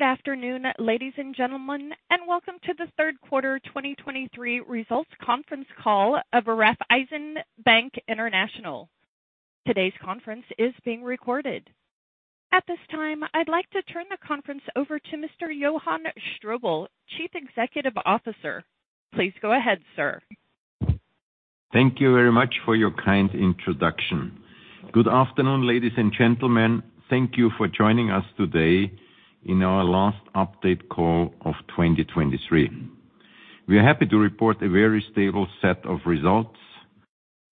Good afternoon, ladies and gentlemen, and welcome to the third quarter 2023 results conference call of Raiffeisen Bank International. Today's conference is being recorded. At this time, I'd like to turn the conference over to Mr. Johann Strobl, Chief Executive Officer. Please go ahead, sir. Thank you very much for your kind introduction. Good afternoon, ladies and gentlemen. Thank you for joining us today in our last update call of 2023. We are happy to report a very stable set of results,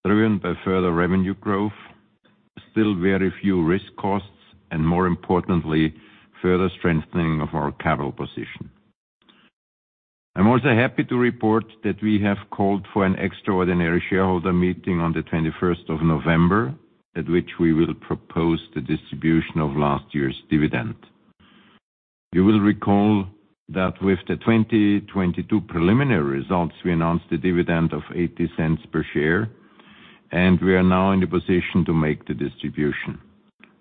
driven by further revenue growth, still very few risk costs, and more importantly, further strengthening of our capital position. I'm also happy to report that we have called for an extraordinary shareholder meeting on the 21st of November, at which we will propose the distribution of last year's dividend. You will recall that with the 2022 preliminary results, we announced a dividend of 0.80 per share, and we are now in a position to make the distribution.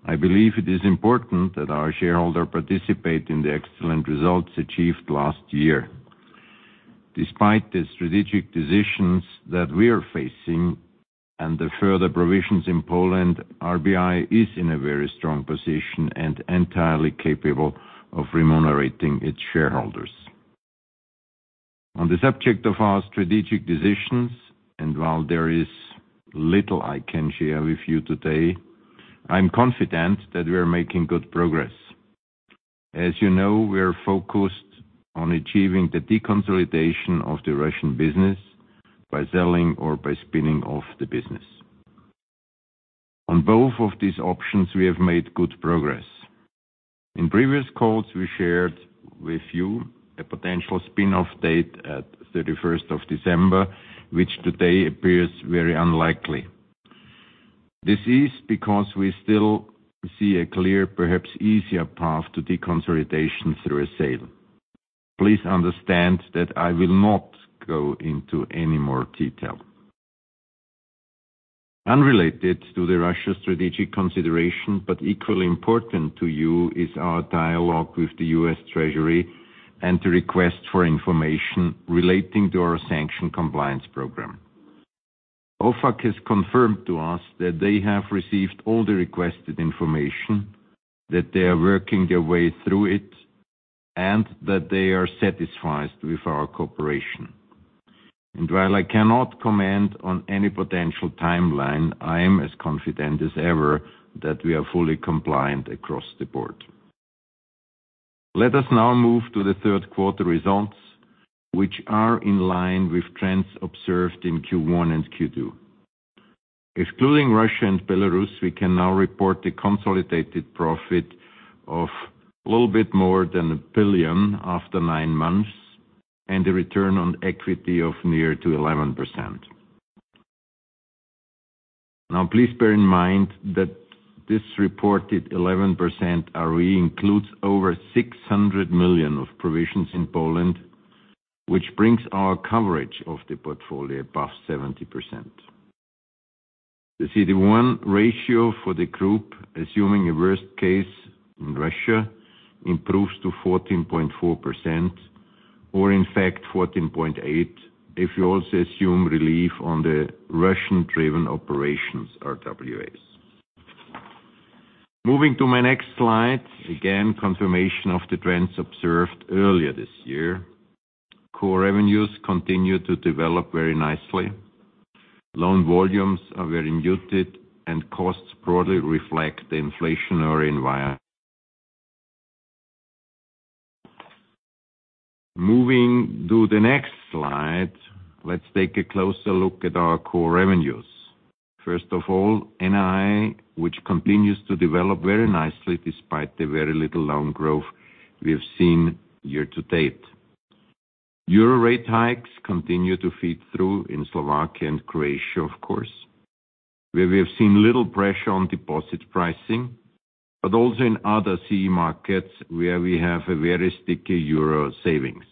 I believe it is important that our shareholder participate in the excellent results achieved last year. Despite the strategic decisions that we are facing and the further provisions in Poland, RBI is in a very strong position and entirely capable of remunerating its shareholders. On the subject of our strategic decisions, and while there is little I can share with you today, I'm confident that we are making good progress. As you know, we are focused on achieving the deconsolidation of the Russian business by selling or by spinning off the business. On both of these options, we have made good progress. In previous calls, we shared with you a potential spin-off date at 31st of December, which today appears very unlikely. This is because we still see a clear, perhaps easier path to deconsolidation through a sale. Please understand that I will not go into any more detail. Unrelated to the Russia strategic consideration, but equally important to you, is our dialogue with the US Treasury and the request for information relating to our sanction compliance program. OFAC has confirmed to us that they have received all the requested information, that they are working their way through it, and that they are satisfied with our cooperation. While I cannot comment on any potential timeline, I am as confident as ever that we are fully compliant across the board. Let us now move to the third quarter results, which are in line with trends observed in Q1 and Q2. Excluding Russia and Belarus, we can now report the consolidated profit of a little bit more than 1 billion after nine months and a return on equity of near to 11%. Now, please bear in mind that this reported 11% ROE includes over 600 million of provisions in Poland, which brings our coverage of the portfolio above 70%. The CET1 ratio for the group, assuming a worst case in Russia, improves to 14.4%, or in fact, 14.8%, if you also assume relief on the Russian-driven operations RWAs. Moving to my next slide, again, confirmation of the trends observed earlier this year. Core revenues continue to develop very nicely. Loan volumes are very muted, and costs broadly reflect the inflationary environment. Moving to the next slide, let's take a closer look at our core revenues. First of all, NII, which continues to develop very nicely despite the very little loan growth we have seen year to date. Euro rate hikes continue to feed through in Slovakia and Croatia, of course, where we have seen little pressure on deposit pricing, but also in other CE markets where we have a very sticky euro savings.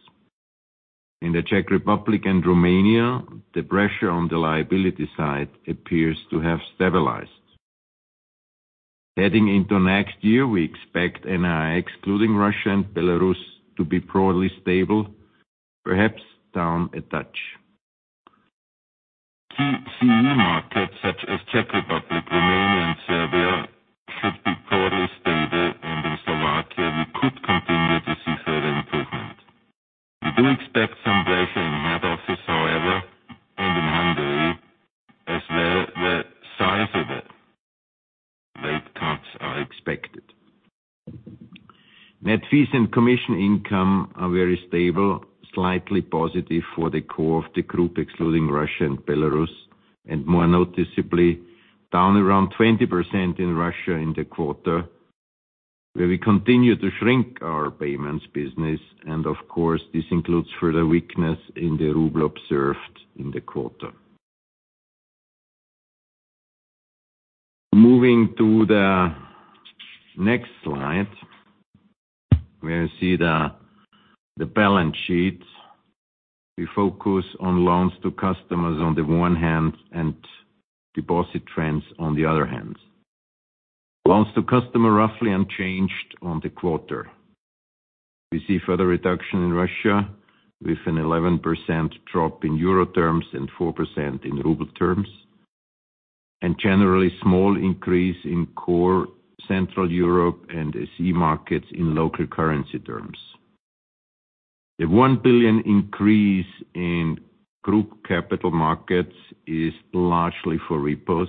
In the Czech Republic and Romania, the pressure on the liability side appears to have stabilized. Heading into next year, we expect NII, excluding Russia and Belarus, to be broadly stable, perhaps down a touch. Key CE markets such as Czech Republic, Romania, and Serbia should be broadly stable, and in Slovakia, we could continue to see further improvement. We do expect some pressure in head offices, however, and in Hungary, as well, where size of it, rate cuts are expected. Net fees and commission income are very stable, slightly positive for the core of the group, excluding Russia and Belarus, and more noticeably down around 20% in Russia in the quarter, where we continue to shrink our payments business, and of course, this includes further weakness in the ruble observed in the quarter. Moving to the next slide, where you see the balance sheet. We focus on loans to customers on the one hand, and deposit trends on the other hand. Loans to customers roughly unchanged on the quarter. We see further reduction in Russia, with an 11% drop in euro terms and 4% in ruble terms, and generally small increase in core Central Europe and SEE markets in local currency terms. The 1 billion increase in group capital markets is largely for repos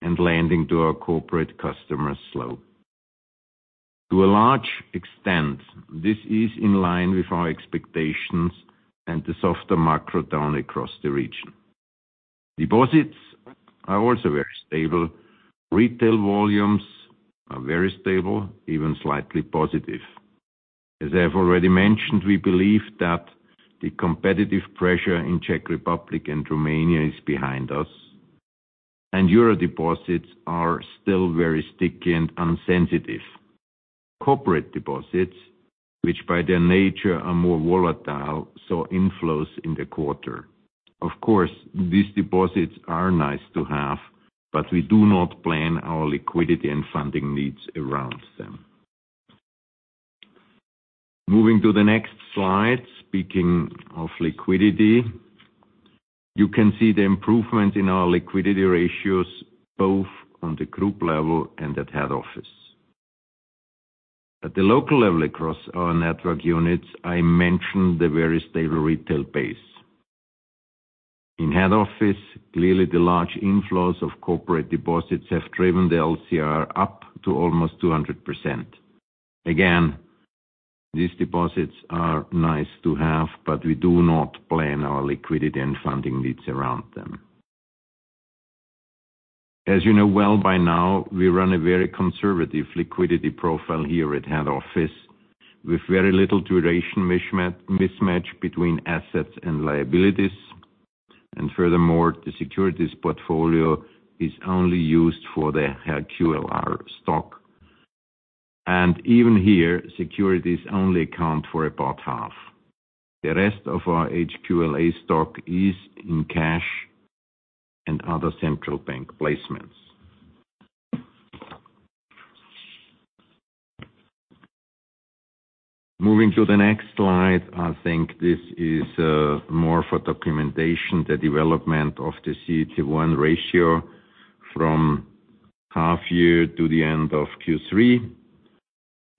and lending to our corporate customers flow. To a large extent, this is in line with our expectations and the softer macro tone across the region. Deposits are also very stable. Retail volumes are very stable, even slightly positive. As I have already mentioned, we believe that the competitive pressure in Czech Republic and Romania is behind us, and euro deposits are still very sticky and insensitive. Corporate deposits, which by their nature are more volatile, saw inflows in the quarter. Of course, these deposits are nice to have, but we do not plan our liquidity and funding needs around them. Moving to the next slide, speaking of liquidity, you can see the improvement in our liquidity ratios, both on the group level and at head office. At the local level, across our network units, I mentioned the very stable retail base. In head office, clearly, the large inflows of corporate deposits have driven the LCR up to almost 200%. Again, these deposits are nice to have, but we do not plan our liquidity and funding needs around them. As you know well by now, we run a very conservative liquidity profile here at head office, with very little duration mismatch between assets and liabilities. And furthermore, the securities portfolio is only used for the HQLA stock, and even here, securities only account for about half. The rest of our HQLA stock is in cash and other central bank placements. Moving to the next slide, I think this is more for documentation, the development of the CET1 ratio from half year to the end of Q3.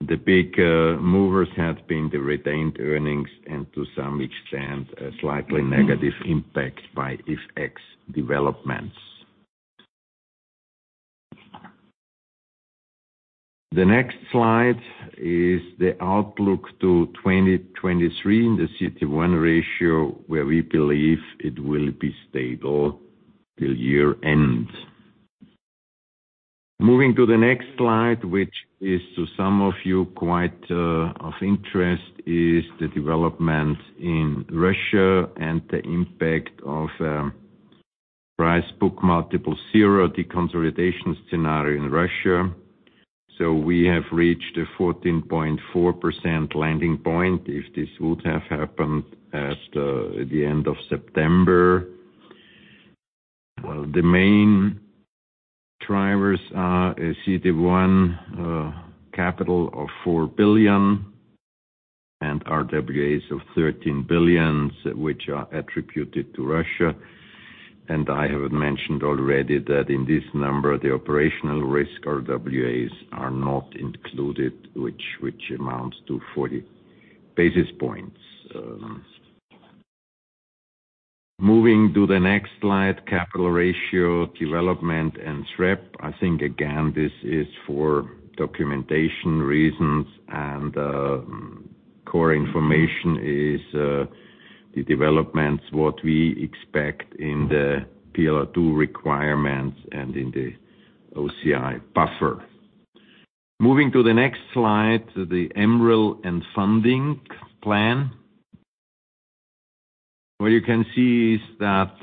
The big movers had been the retained earnings and to some extent, a slightly negative impact by FX developments. The next slide is the outlook to 2023 in the CET1 ratio, where we believe it will be stable till year-end. Moving to the next slide, which is to some of you, quite, of interest, is the development in Russia and the impact of, price book multiple zero deconsolidation scenario in Russia. So we have reached a 14.4% landing point, if this would have happened at, the end of September. Well, the main drivers are a CET1 capital of 4 billion and RWAs of 13 billion, which are attributed to Russia. And I have mentioned already that in this number, the operational risk RWAs are not included, which, which amounts to 40 basis points. Moving to the next slide, capital ratio development and SREP. I think again, this is for documentation reasons, and, core information is, the developments, what we expect in the Pillar II requirements and in the OCI buffer. Moving to the next slide, the MREL and funding plan. What you can see is that,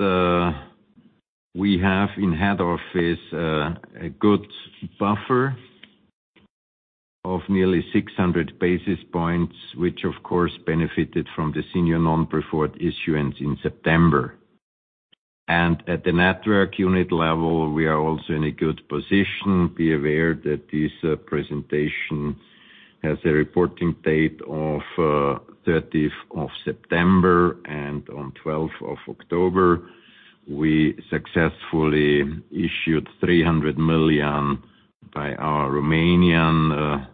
we have in head office, a good buffer of nearly 600 basis points, which of course benefited from the senior non-preferred issuance in September. And at the network unit level, we are also in a good position. Be aware that this, presentation has a reporting date of, 30th of September, and on 12th of October, we successfully issued 300 million by our Romanian,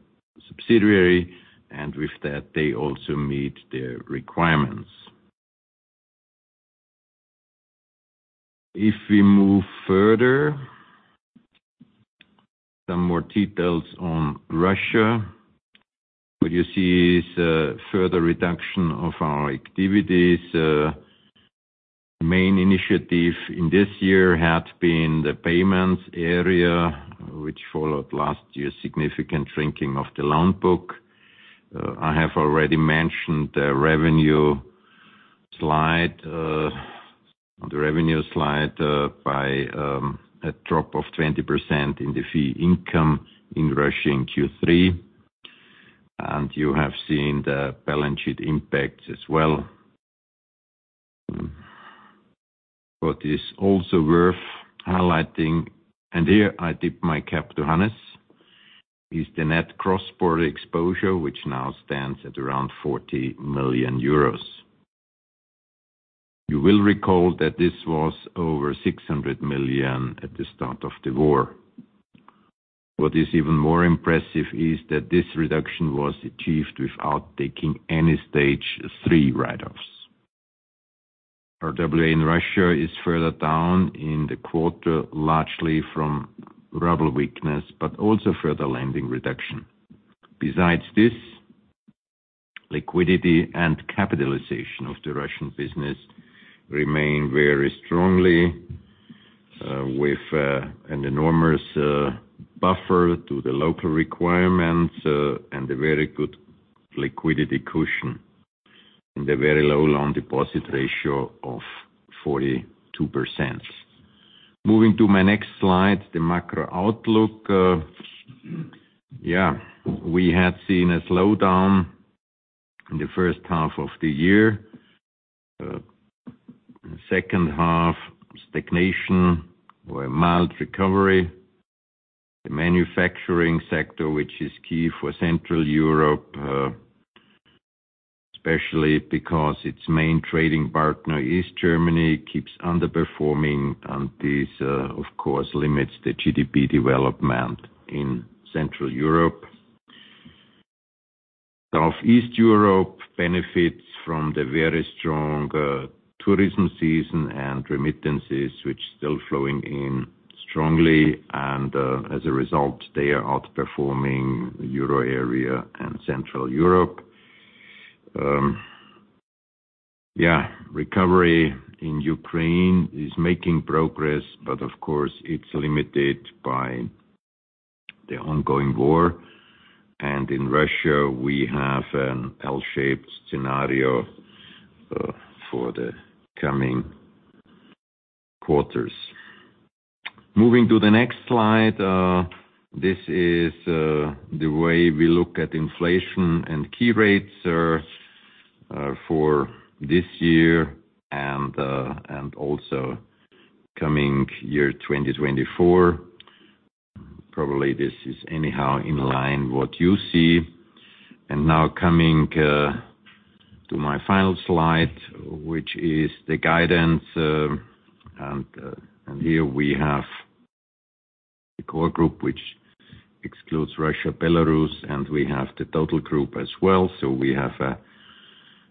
subsidiary, and with that, they also meet their requirements. If we move further, some more details on Russia. What you see is a further reduction of our activities. Main initiative in this year had been the payments area, which followed last year's significant shrinking of the loan book. I have already mentioned the revenue slide on the revenue slide by a drop of 20% in the fee income in Russia in Q3, and you have seen the balance sheet impact as well. What is also worth highlighting, and here I tip my cap to Hannes, is the net cross-border exposure, which now stands at around 40 million euros. You will recall that this was over 600 million at the start of the war. What is even more impressive is that this reduction was achieved without taking any stage three write-offs. RWA in Russia is further down in the quarter, largely from ruble weakness, but also further lending reduction. Besides this, liquidity and capitalization of the Russian business remain very strongly with an enormous buffer to the local requirements and a very good liquidity cushion, and a very low loan deposit ratio of 42%. Moving to my next slide, the macro outlook. Yeah, we had seen a slowdown in the first half of the year. In the second half, stagnation or a mild recovery. The manufacturing sector, which is key for Central Europe, especially because its main trading partner, East Germany, keeps underperforming, and this of course limits the GDP development in Central Europe. Southeast Europe benefits from the very strong tourism season and remittances, which still flowing in strongly, and as a result, they are outperforming the Euro area and Central Europe. Yeah, recovery in Ukraine is making progress, but of course, it's limited by the ongoing war. And in Russia, we have an L-shaped scenario for the coming quarters. Moving to the next slide, this is the way we look at inflation and key rates for this year and also coming year, 2024. Probably this is anyhow in line what you see. And now coming to my final slide, which is the guidance. And here we have the core group, which excludes Russia, Belarus, and we have the total group as well. So we have a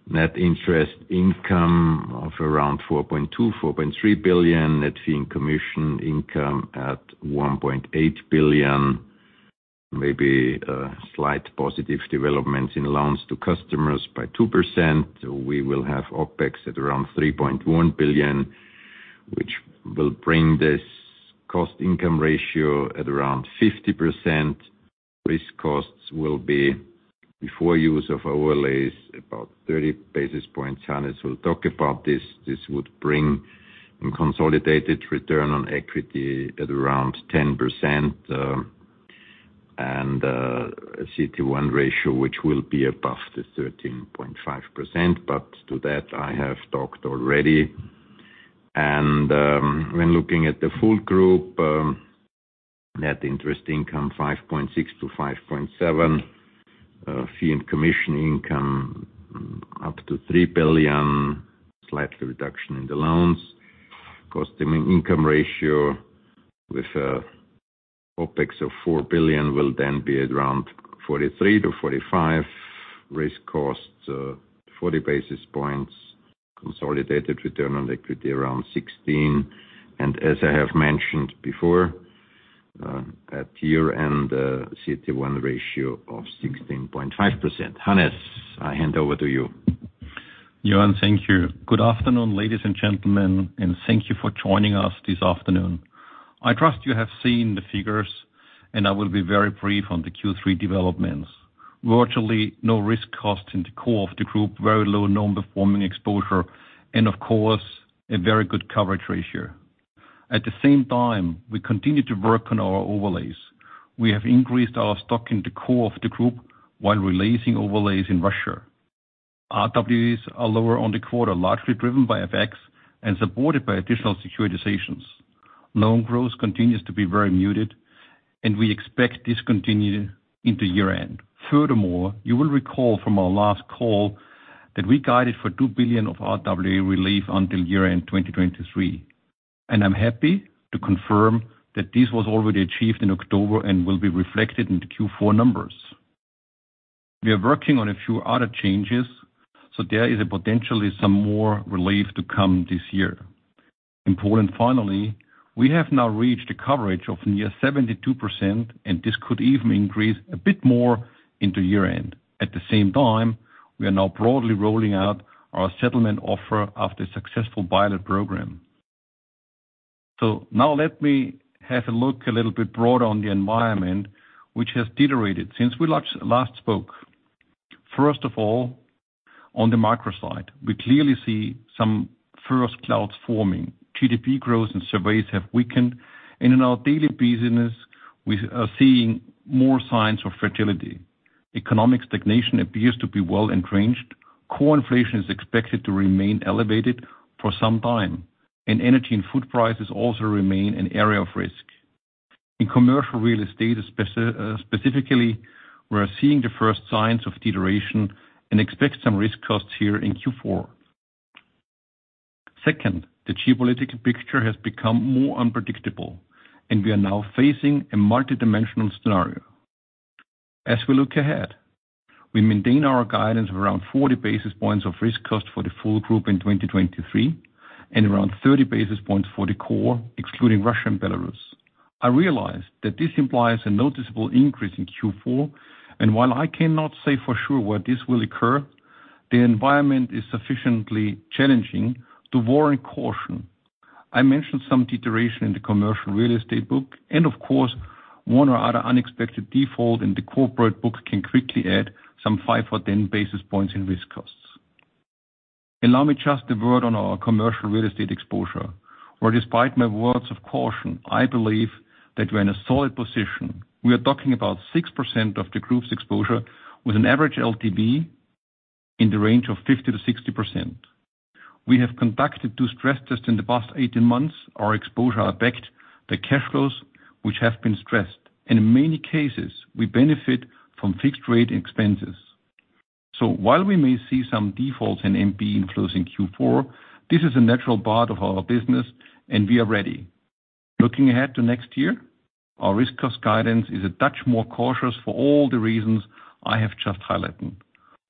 net interest income of around 4.2 billion-4.3 billion, net fee and commission income at 1.8 billion, maybe a slight positive development in loans to customers by 2%. We will have OpEx at around 3.1 billion, which will bring this cost-income ratio at around 50%. Risk costs will be before use of overlays, about 30 basis points. Hannes will talk about this. This would bring a consolidated return on equity at around 10%, and a CET1 ratio, which will be above the 13.5%, but to that, I have talked already. When looking at the full group, net interest income 5.6 billion-5.7 billion, fee and commission income up to 3 billion, slightly reduction in the loans. Cost-to-income ratio with OpEx of 4 billion will then be around 43%-45%. Risk cost 40 basis points. Consolidated return on equity around 16%. As I have mentioned before, at year-end CET1 ratio of 16.5%. Hannes, I hand over to you. Johann, thank you. Good afternoon, ladies and gentlemen, and thank you for joining us this afternoon. I trust you have seen the figures, and I will be very brief on the Q3 developments. Virtually no risk cost in the core of the group, very low non-performing exposure, and of course, a very good coverage ratio. At the same time, we continue to work on our overlays. We have increased our stock in the core of the group while releasing overlays in Russia. RWAs are lower on the quarter, largely driven by FX and supported by additional securitizations. Loan growth continues to be very muted, and we expect this to continue into year-end. Furthermore, you will recall from our last call that we guided for 2 billion of RWA relief until year-end 2023, and I'm happy to confirm that this was already achieved in October and will be reflected in the Q4 numbers. We are working on a few other changes, so there is potentially some more relief to come this year. Important finally, we have now reached a coverage of near 72%, and this could even increase a bit more into year-end. At the same time, we are now broadly rolling out our settlement offer after a successful pilot program. So now let me have a look a little bit broader on the environment, which has deteriorated since we last, last spoke. First of all, on the micro side, we clearly see some first clouds forming. GDP growth and surveys have weakened, and in our daily business, we are seeing more signs of fragility. Economic stagnation appears to be well entrenched. Core inflation is expected to remain elevated for some time, and energy and food prices also remain an area of risk. In commercial real estate, specifically, we are seeing the first signs of deterioration and expect some risk costs here in Q4. Second, the geopolitical picture has become more unpredictable, and we are now facing a multidimensional scenario. As we look ahead, we maintain our guidance of around 40 basis points of risk cost for the full group in 2023, and around 30 basis points for the core, excluding Russia and Belarus. I realize that this implies a noticeable increase in Q4, and while I cannot say for sure where this will occur, the environment is sufficiently challenging to warrant caution. I mentioned some deterioration in the commercial real estate book, and of course, one or other unexpected default in the corporate book can quickly add some 5 or 10 basis points in risk costs. Allow me just a word on our commercial real estate exposure, where despite my words of caution, I believe that we're in a solid position. We are talking about 6% of the group's exposure with an average LTV in the range of 50%-60%. We have conducted 2 stress tests in the past 18 months. Our exposure are backed by cash flows, which have been stressed, and in many cases we benefit from fixed rate expenses. So while we may see some defaults in NPE in closing Q4, this is a natural part of our business and we are ready. Looking ahead to next year, our risk cost guidance is a touch more cautious for all the reasons I have just highlighted.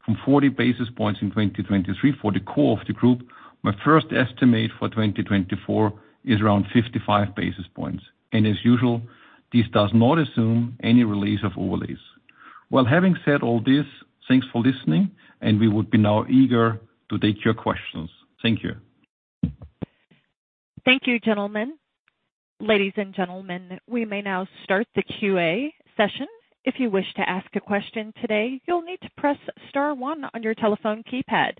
From 40 basis points in 2023 for the core of the group, my first estimate for 2024 is around 55 basis points, and as usual, this does not assume any release of overlays. Well, having said all this, thanks for listening, and we would be now eager to take your questions. Thank you. Thank you, gentlemen. Ladies and gentlemen, we may now start the Q&A session. If you wish to ask a question today, you'll need to press star one on your telephone keypad.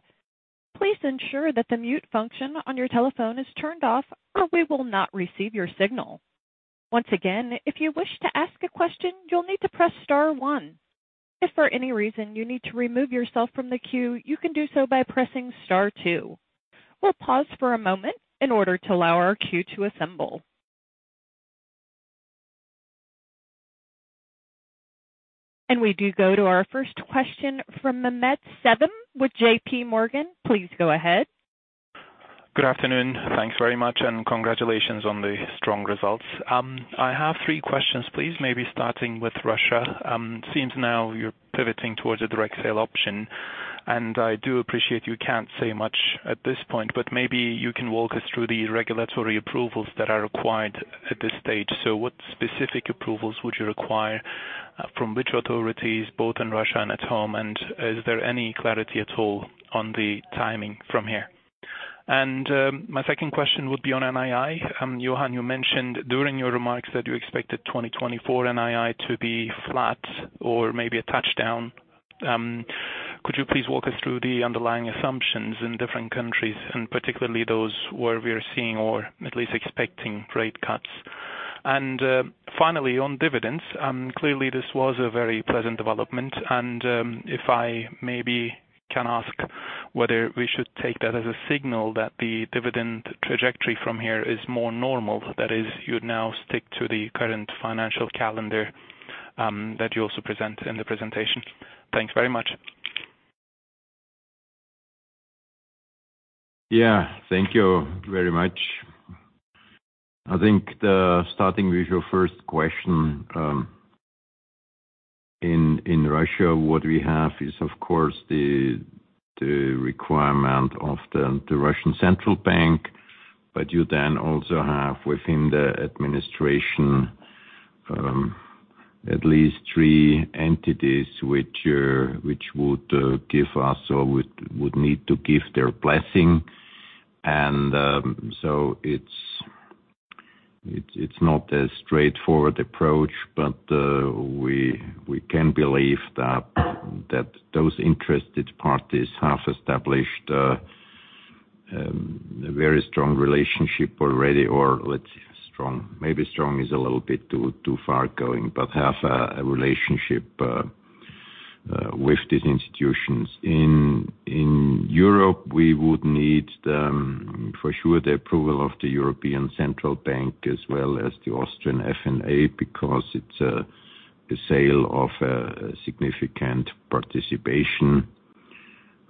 Please ensure that the mute function on your telephone is turned off, or we will not receive your signal. Once again, if you wish to ask a question, you'll need to press star one. If for any reason you need to remove yourself from the queue, you can do so by pressing star two. We'll pause for a moment in order to allow our queue to assemble. We do go to our first question from Mehmet Sevim with JPMorgan. Please go ahead. Good afternoon. Thanks very much, and congratulations on the strong results. I have three questions, please. Maybe starting with Russia. Seems now you're pivoting towards a direct sale option, and I do appreciate you can't say much at this point, but maybe you can walk us through the regulatory approvals that are required at this stage. So what specific approvals would you require, from which authorities, both in Russia and at home, and is there any clarity at all on the timing from here? My second question would be on NII. Johann, you mentioned during your remarks that you expected 2024 NII to be flat or maybe a touchdown. Could you please walk us through the underlying assumptions in different countries and particularly those where we are seeing or at least expecting rate cuts? Finally, on dividends, clearly this was a very pleasant development, and if I maybe can ask whether we should take that as a signal that the dividend trajectory from here is more normal, that is, you'd now stick to the current financial calendar that you also present in the presentation. Thanks very much. Yeah. Thank you very much. I think starting with your first question, in Russia, what we have is of course the requirement of the Russian Central Bank, but you then also have within the administration at least three entities which would give us or would need to give their blessing. And so it's not a straightforward approach, but we can believe that those interested parties have established a very strong relationship already, or let's strong—maybe strong is a little bit too far going, but have a relationship with these institutions. In Europe, we would need for sure the approval of the European Central Bank, as well as the Austrian FMA, because it's a sale of a significant participation.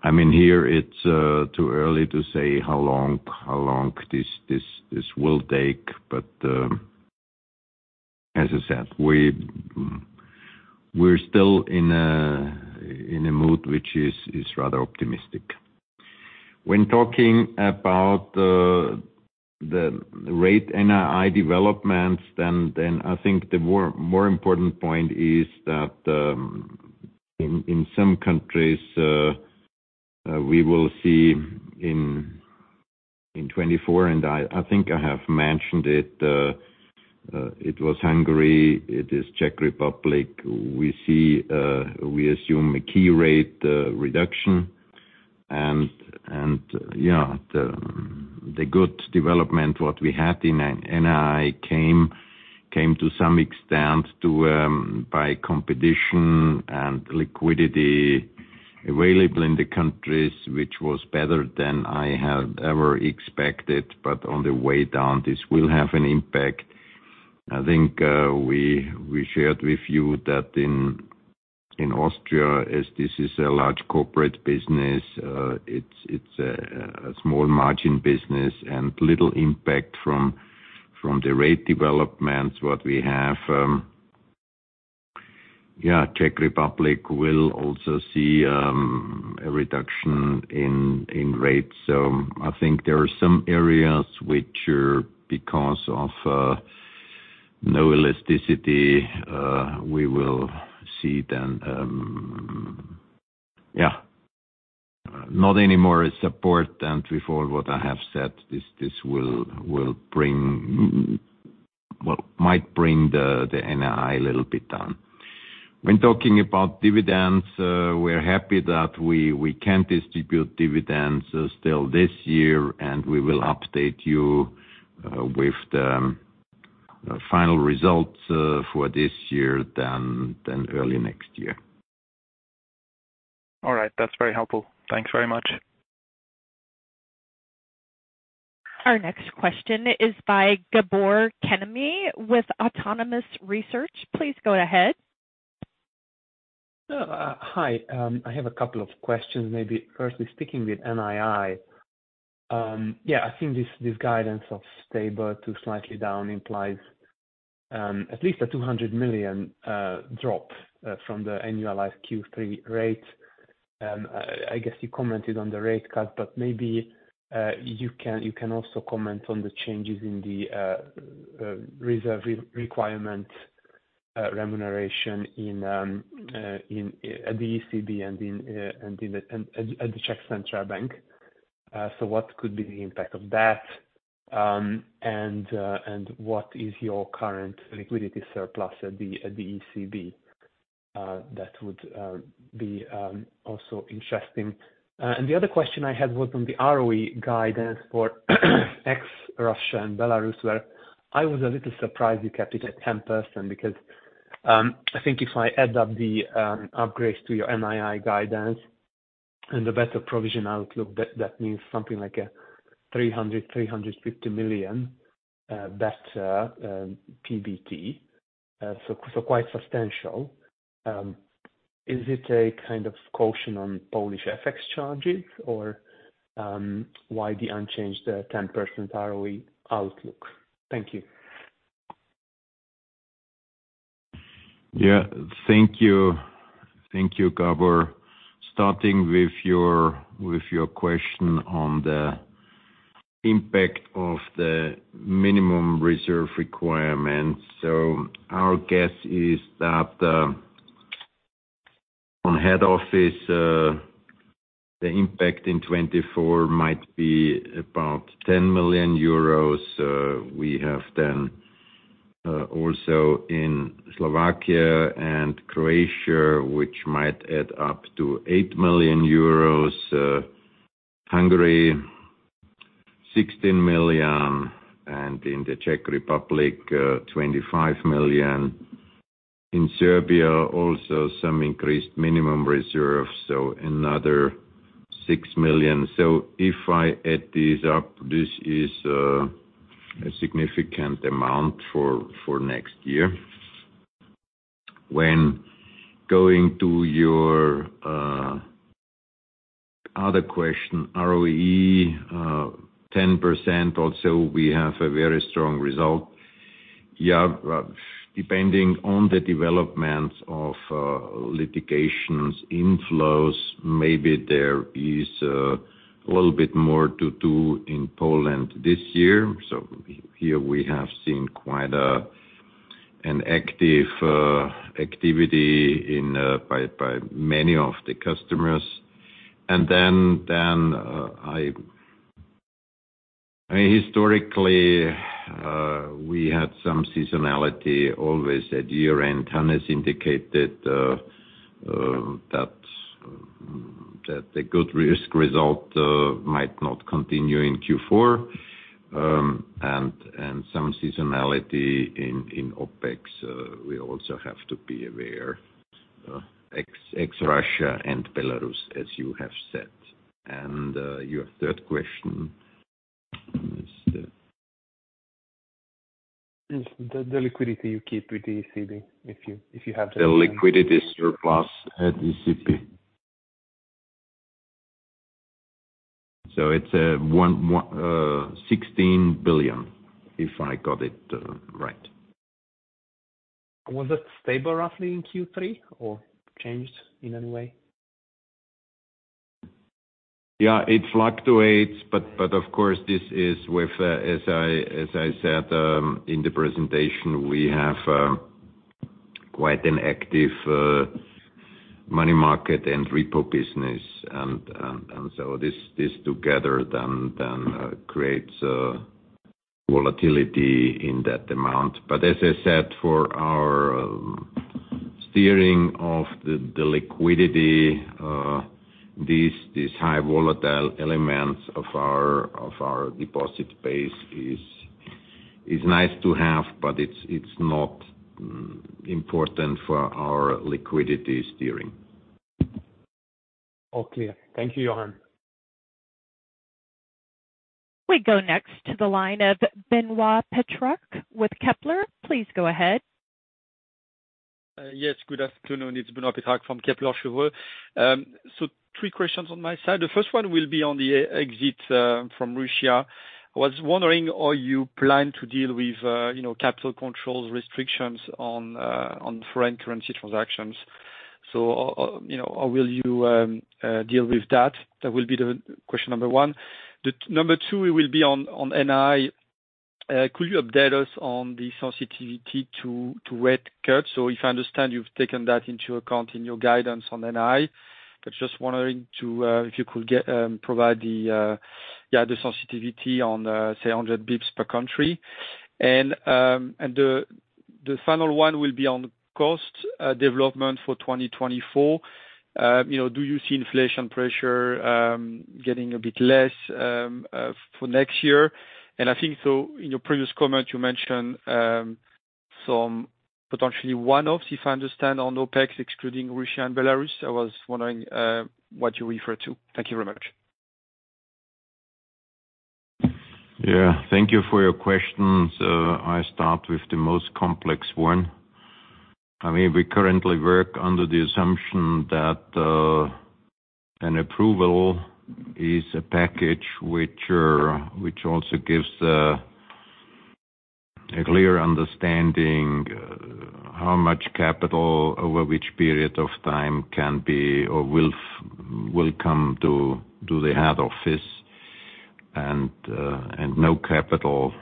I mean, here it's too early to say how long this will take, but, as I said, we're still in a mood, which is rather optimistic. When talking about the rate NII developments, then I think the more important point is that, in some countries,... We will see in 2024, and I think I have mentioned it. It was Hungary, it is Czech Republic. We see, we assume a key rate reduction. And, yeah, the good development what we had in NII came to some extent by competition and liquidity available in the countries, which was better than I had ever expected, but on the way down, this will have an impact. I think we shared with you that in Austria, as this is a large corporate business, it's a small margin business and little impact from the rate developments what we have. Yeah, Czech Republic will also see a reduction in rates. So I think there are some areas which are because of no elasticity, we will see then. Yeah, not any more support than before what I have said, this will bring, well, might bring the NII a little bit down. When talking about dividends, we're happy that we can distribute dividends still this year, and we will update you with the final results for this year, then early next year. All right. That's very helpful. Thanks very much. Our next question is by Gabor Kemeny with Autonomous Research. Please go ahead. Hi. I have a couple of questions, maybe firstly, speaking with NII. Yeah, I think this, this guidance of stable to slightly down implies, at least a 200 million drop, from the annualized Q3 rate. I guess you commented on the rate cut, but maybe, you can, you can also comment on the changes in the, reserve requirement, remuneration in, in, at the ECB and in, and in the, and at, at the Czech Central Bank. So what could be the impact of that? And, and what is your current liquidity surplus at the, at the ECB? That would, be, also interesting. And the other question I had was on the ROE guidance for ex Russia and Belarus, where I was a little surprised you kept it at 10%, because I think if I add up the upgrades to your NII guidance and the better provision outlook, that means something like 300-350 million better PBT, so quite substantial. Is it a kind of caution on Polish FX charges, or why the unchanged 10% ROE outlook? Thank you. Yeah. Thank you. Thank you, Gabor. Starting with your, with your question on the impact of the minimum reserve requirements. So our guess is that, on head office, the impact in 2024 might be about 10 million euros. We have then, also in Slovakia and Croatia, which might add up to 8 million euros, Hungary 16 million, and in the Czech Republic, 25 million. In Serbia, also some increased minimum reserves, so another 6 million. So if I add these up, this is, a significant amount for, for next year. When going to your, other question, ROE 10%, also, we have a very strong result. Yeah, depending on the development of, litigations inflows, maybe there is, a little bit more to do in Poland this year. So here we have seen quite an active activity by many of the customers. And then I mean, historically, we had some seasonality almost at year-end. Hannes indicated that the good risk result might not continue in Q4. And some seasonality in OpEx we also have to be aware ex Russia and Belarus, as you have said. And your third question is the? Yes, the liquidity you keep with the ECB, if you have the- The liquidity surplus at ECB. So it's 116 billion, if I got it right. Was it stable, roughly, in Q3 or changed in any way? Yeah, it fluctuates, but, but of course, this is with, as I, as I said, in the presentation, we have quite an active money market and repo business. And, and so this, this together then creates a volatility in that amount. But as I said, for our steering of the liquidity, these high volatile elements of our deposit base is nice to have, but it's not important for our liquidity steering. All clear. Thank you, Johann. We go next to the line of Benoit Petrarque with Kepler. Please go ahead. Yes, good afternoon. It's Benoit Petrarque from Kepler Cheuvreux. So three questions on my side. The first one will be on the exit from Russia. I was wondering, how you plan to deal with, you know, capital controls, restrictions on foreign currency transactions? So, you know, how will you deal with that? That will be the question number one. The number two will be on NI. Could you update us on the sensitivity to rate cuts? So if I understand, you've taken that into account in your guidance on NI, but just wondering if you could provide the sensitivity on, say, 100 BPS per country. And the final one will be on cost development for 2024. You know, do you see inflation pressure getting a bit less for next year? And I think so in your previous comment, you mentioned some potentially one-offs, if I understand, on OpEx, excluding Russia and Belarus. I was wondering what you refer to. Thank you very much. Yeah, thank you for your questions. I start with the most complex one. I mean, we currently work under the assumption that an approval is a package which also gives a clear understanding how much capital over which period of time can be or will come to the head office, and no capital,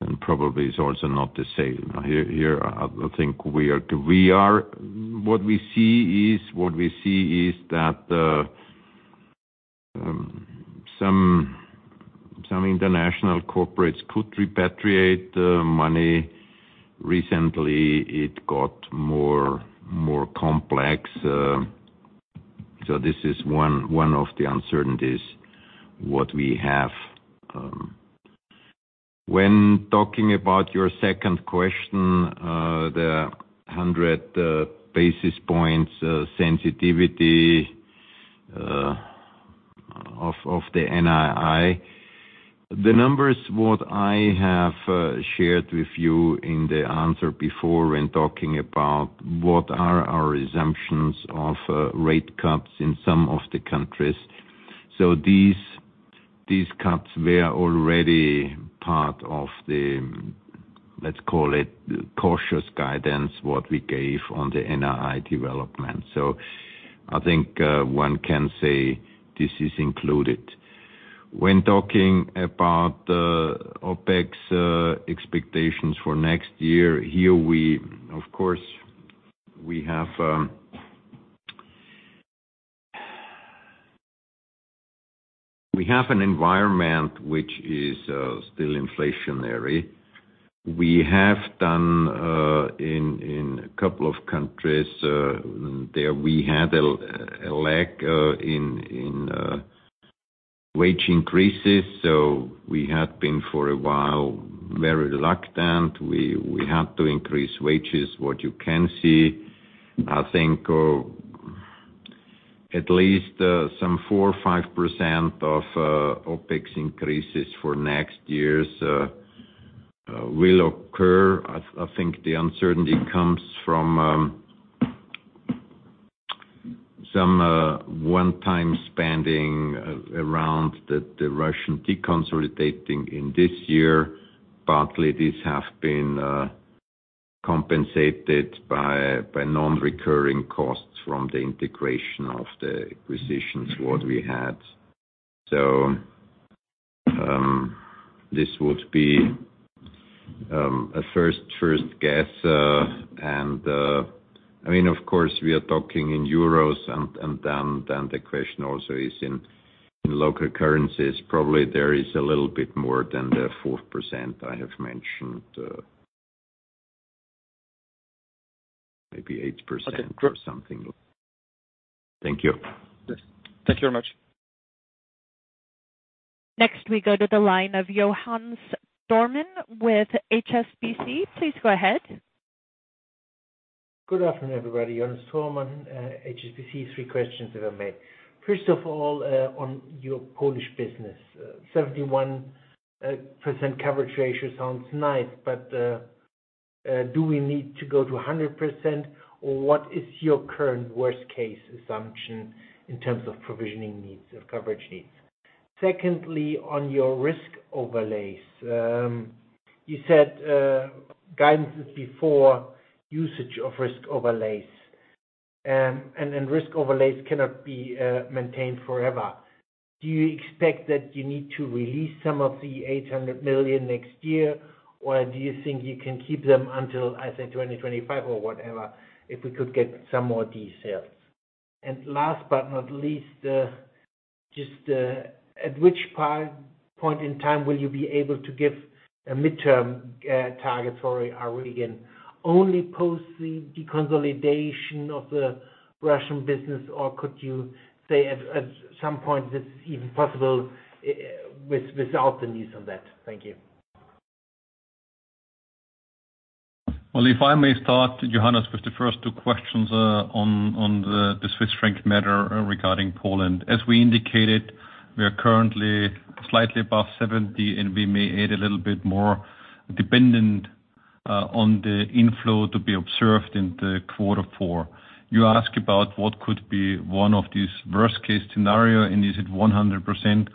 and probably is also not the same. Here, I think we are. What we see is that some international corporates could repatriate the money. Recently, it got more complex. So this is one of the uncertainties what we have. When talking about your second question, the 100 basis points sensitivity of the NII. The numbers what I have shared with you in the answer before, when talking about what are our assumptions of rate cuts in some of the countries. So these cuts were already part of the, let's call it, cautious guidance what we gave on the NII development. So I think one can say this is included. When talking about the OpEx expectations for next year, here, we of course have an environment which is still inflationary. We have done in a couple of countries, there we had a lack in wage increases, so we had been, for a while, very reluctant. We had to increase wages. What you can see, I think, at least some 4 or 5% of OpEx increases for next year's will occur. I think the uncertainty comes from some one-time spending around the Russian deconsolidation in this year. Partly, these have been compensated by non-recurring costs from the integration of the acquisitions what we had. So, this would be a first guess. And I mean, of course, we are talking in euros and then the question also is in local currencies. Probably there is a little bit more than the 4% I have mentioned, maybe 8% or something. Thank you. Yes. Thank you very much. Next, we go to the line of Johannes Sherwin with HSBC. Please go ahead. Good afternoon, everybody. Johannes Sherwin, HSBC. Three questions that I made. First of all, on your Polish business, 71% coverage ratio sounds nice, but do we need to go to 100%? Or what is your current worst case assumption in terms of provisioning needs, of coverage needs? Secondly, on your risk overlays, you said guidance is before usage of risk overlays. And risk overlays cannot be maintained forever. Do you expect that you need to release some of the 800 million next year, or do you think you can keep them until, I say, 2025 or whatever? If we could get some more details. And last but not least, just at which point in time will you be able to give a midterm target for our region? Only post the deconsolidation of the Russian business, or could you say at some point this is even possible, with or without the need of that? Thank you. Well, if I may start, Johannes, with the first two questions, on the Swiss franc matter regarding Poland. As we indicated, we are currently slightly above 70, and we may add a little bit more dependent on the inflow to be observed in quarter four. You ask about what could be one of these worst case scenario, and is it 100%?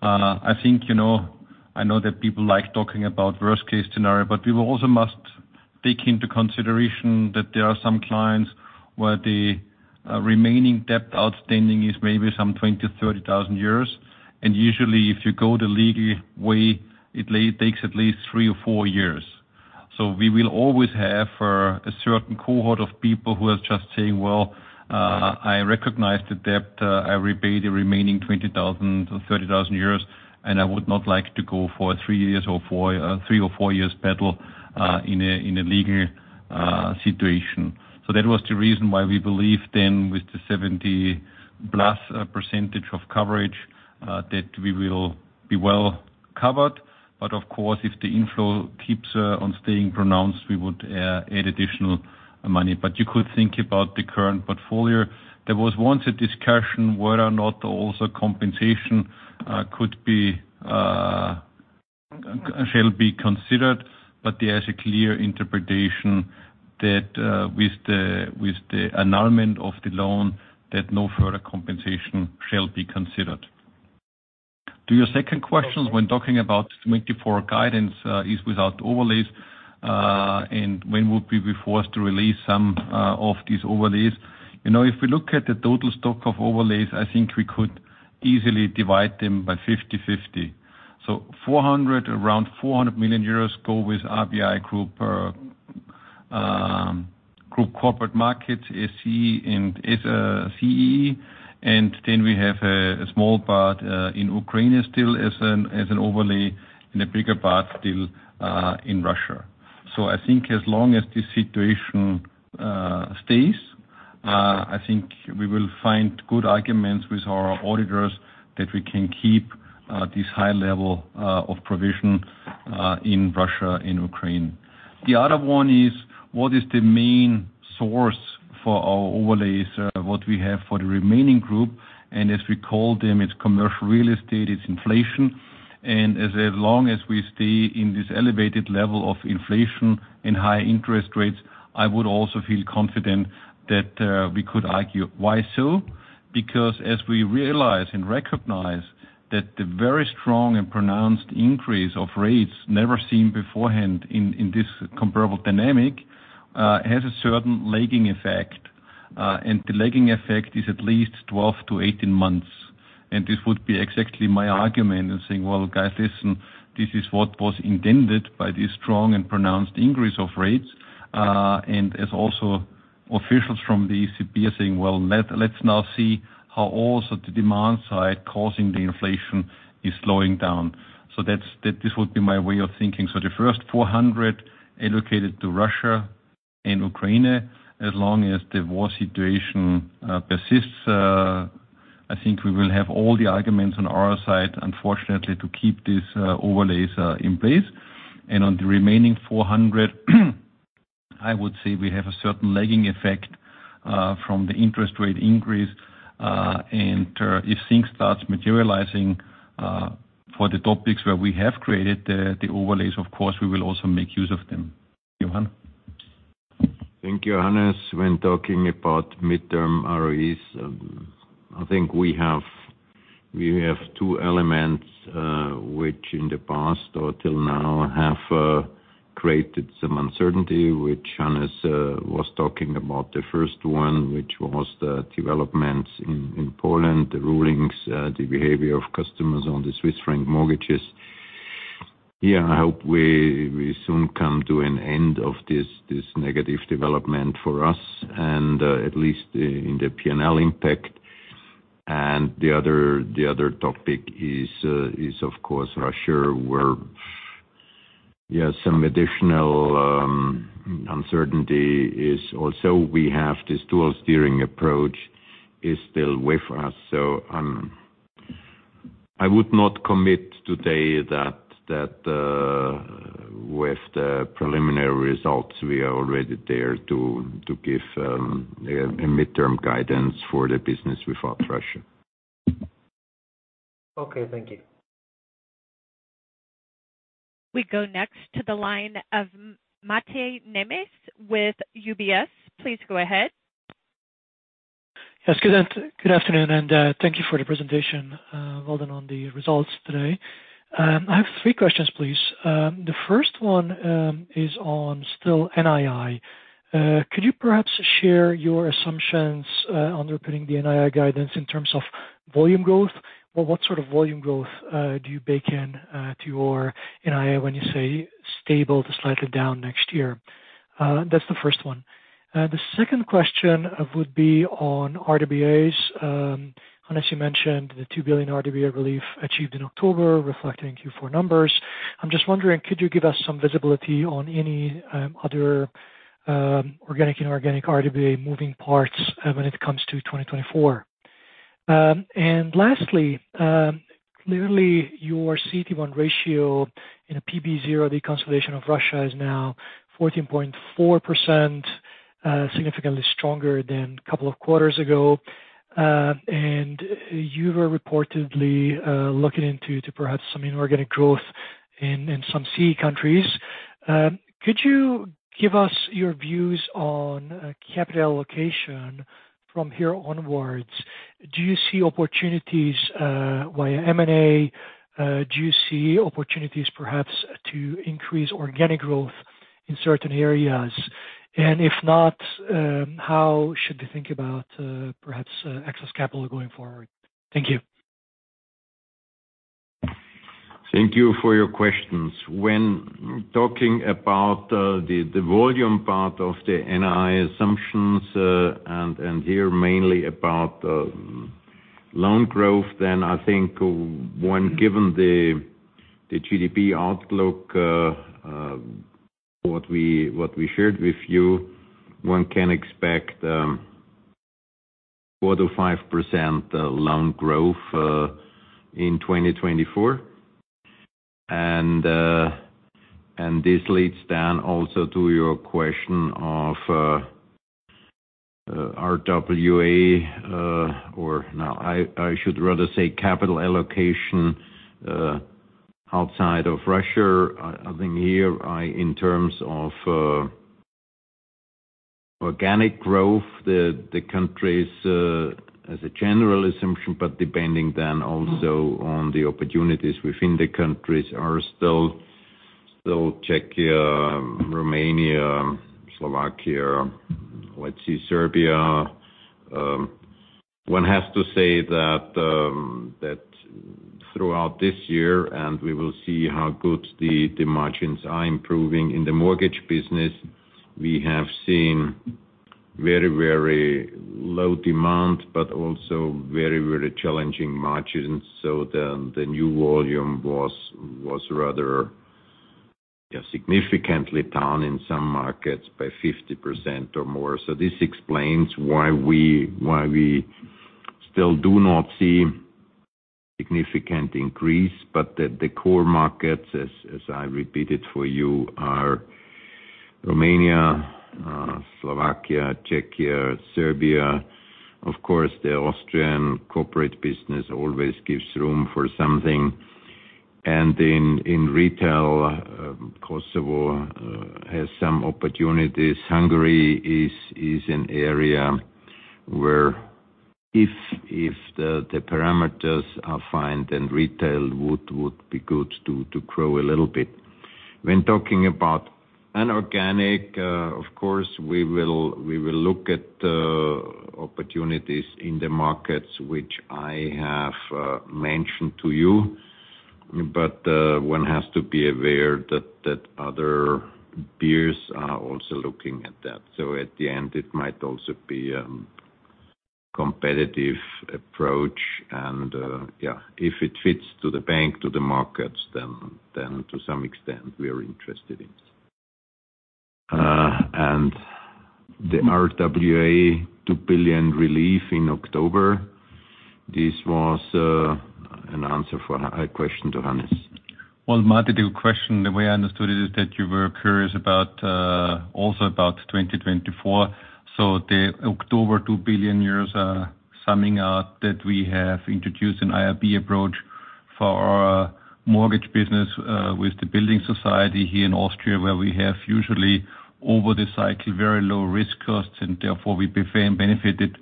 I think, you know, I know that people like talking about worst case scenario, but we will also must take into consideration that there are some clients where the remaining debt outstanding is maybe some 20,000-30,000 euros. And usually if you go the legal way, it takes at least 3 or 4 years. So we will always have a certain cohort of people who are just saying: Well, I recognize the debt, I repay the remaining 20,000 EUR or 30,000 euros, and I would not like to go for a 3 years or 4, 3 or 4 years battle in a legal situation. So that was the reason why we believe then, with the 70+% coverage, that we will be well covered. But of course, if the inflow keeps on staying pronounced, we would add additional money. But you could think about the current portfolio. There was once a discussion whether or not also compensation could be shall be considered, but there is a clear interpretation that, with the, with the annulment of the loan, that no further compensation shall be considered. To your second question, when talking about 2024 guidance, is without overlays, and when would we be forced to release some of these overlays? You know, if we look at the total stock of overlays, I think we could easily divide them 50/50. So around 400 million euros go with RBI Group, Group Corporates & Markets, SEE and CEE. And then we have a small part in Ukraine still as an overlay and a bigger part still in Russia. So I think as long as this situation stays, I think we will find good arguments with our auditors that we can keep this high level of provision in Russia and Ukraine. The other one is: What is the main source for our overlays, what we have for the remaining group? And as we call them, it's commercial real estate, it's inflation. And as long as we stay in this elevated level of inflation and high interest rates, I would also feel confident that, we could argue. Why so? Because as we realize and recognize that the very strong and pronounced increase of rates never seen beforehand in this comparable dynamic, has a certain lagging effect, and the lagging effect is at least 12-18 months. And this would be exactly my argument in saying: Well, guys, listen, this is what was intended by this strong and pronounced increase of rates. And as also officials from the ECB are saying: Well, let's now see how also the demand side, causing the inflation, is slowing down. So that's this would be my way of thinking. So the first 400 allocated to Russia and Ukraine, as long as the war situation persists, I think we will have all the arguments on our side, unfortunately, to keep these overlays in place. And on the remaining 400, I would say we have a certain lagging effect from the interest rate increase. And if things starts materializing for the topics where we have created the overlays, of course, we will also make use of them. Johann? Thank you, Hannes. When talking about midterm ROEs, I think we have two elements which in the past or till now have created some uncertainty, which Hannes was talking about. The first one, which was the developments in Poland, the rulings, the behavior of customers on the Swiss franc mortgages. Yeah, I hope we soon come to an end of this negative development for us and at least in the P&L impact. And the other topic is of course Russia, where some additional uncertainty is also. We have this dual steering approach is still with us. So, I would not commit today that with the preliminary results, we are already there to give a midterm guidance for the business without Russia. Okay, thank you. We go next to the line of Máté Nemes with UBS. Please go ahead.... Yes, good afternoon, and thank you for the presentation, well done on the results today. I have three questions, please. The first one is on still NII. Could you perhaps share your assumptions underpinning the NII guidance in terms of volume growth? Or what sort of volume growth do you bake in to your NII when you say stable to slightly down next year? That's the first one. The second question would be on RWAs. Hannes, you mentioned the 2 billion RWA relief achieved in October, reflecting Q4 numbers. I'm just wondering, could you give us some visibility on any other organic, inorganic RWA moving parts when it comes to 2024? Lastly, clearly your CET1 ratio in a PB zero, the consolidation of Russia is now 14.4%, significantly stronger than a couple of quarters ago. You were reportedly looking into perhaps some inorganic growth in some C countries. Could you give us your views on capital allocation from here onwards? Do you see opportunities via M&A? Do you see opportunities perhaps to increase organic growth in certain areas? And if not, how should we think about perhaps excess capital going forward? Thank you. Thank you for your questions. When talking about the volume part of the NII assumptions, and here mainly about loan growth, then I think when given the GDP outlook what we shared with you, one can expect 4%-5% loan growth in 2024. And this leads then also to your question of RWA, or no, I should rather say capital allocation outside of Russia. I think here, in terms of organic growth, the countries as a general assumption, but depending then also on the opportunities within the countries are still Czechia, Romania, Slovakia, let's see, Serbia. One has to say that throughout this year, and we will see how good the margins are improving. In the mortgage business, we have seen very, very low demand, but also very, very challenging margins. So the new volume was rather, yeah, significantly down in some markets by 50% or more. So this explains why we still do not see significant increase. But the core markets, as I repeated for you, are Romania, Slovakia, Czechia, Serbia. Of course, the Austrian corporate business always gives room for something. And in retail, Kosovo has some opportunities. Hungary is an area where if the parameters are fine, then retail would be good to grow a little bit. When talking about an organic, of course, we will look at opportunities in the markets, which I have mentioned to you. But, one has to be aware that, that other peers are also looking at that. So at the end, it might also be, competitive approach and, yeah, if it fits to the bank, to the markets, then, then to some extent we are interested in. And the RWA 2 billion relief in October, this was, an answer for a, a question to Hannes. Well, Máté, the question, the way I understood it, is that you were curious about also about 2024. So the October 2 billion euros, summing up that we have introduced an IRB approach for our mortgage business with the building society here in Austria, where we have usually over the cycle very low risk costs, and therefore we benefited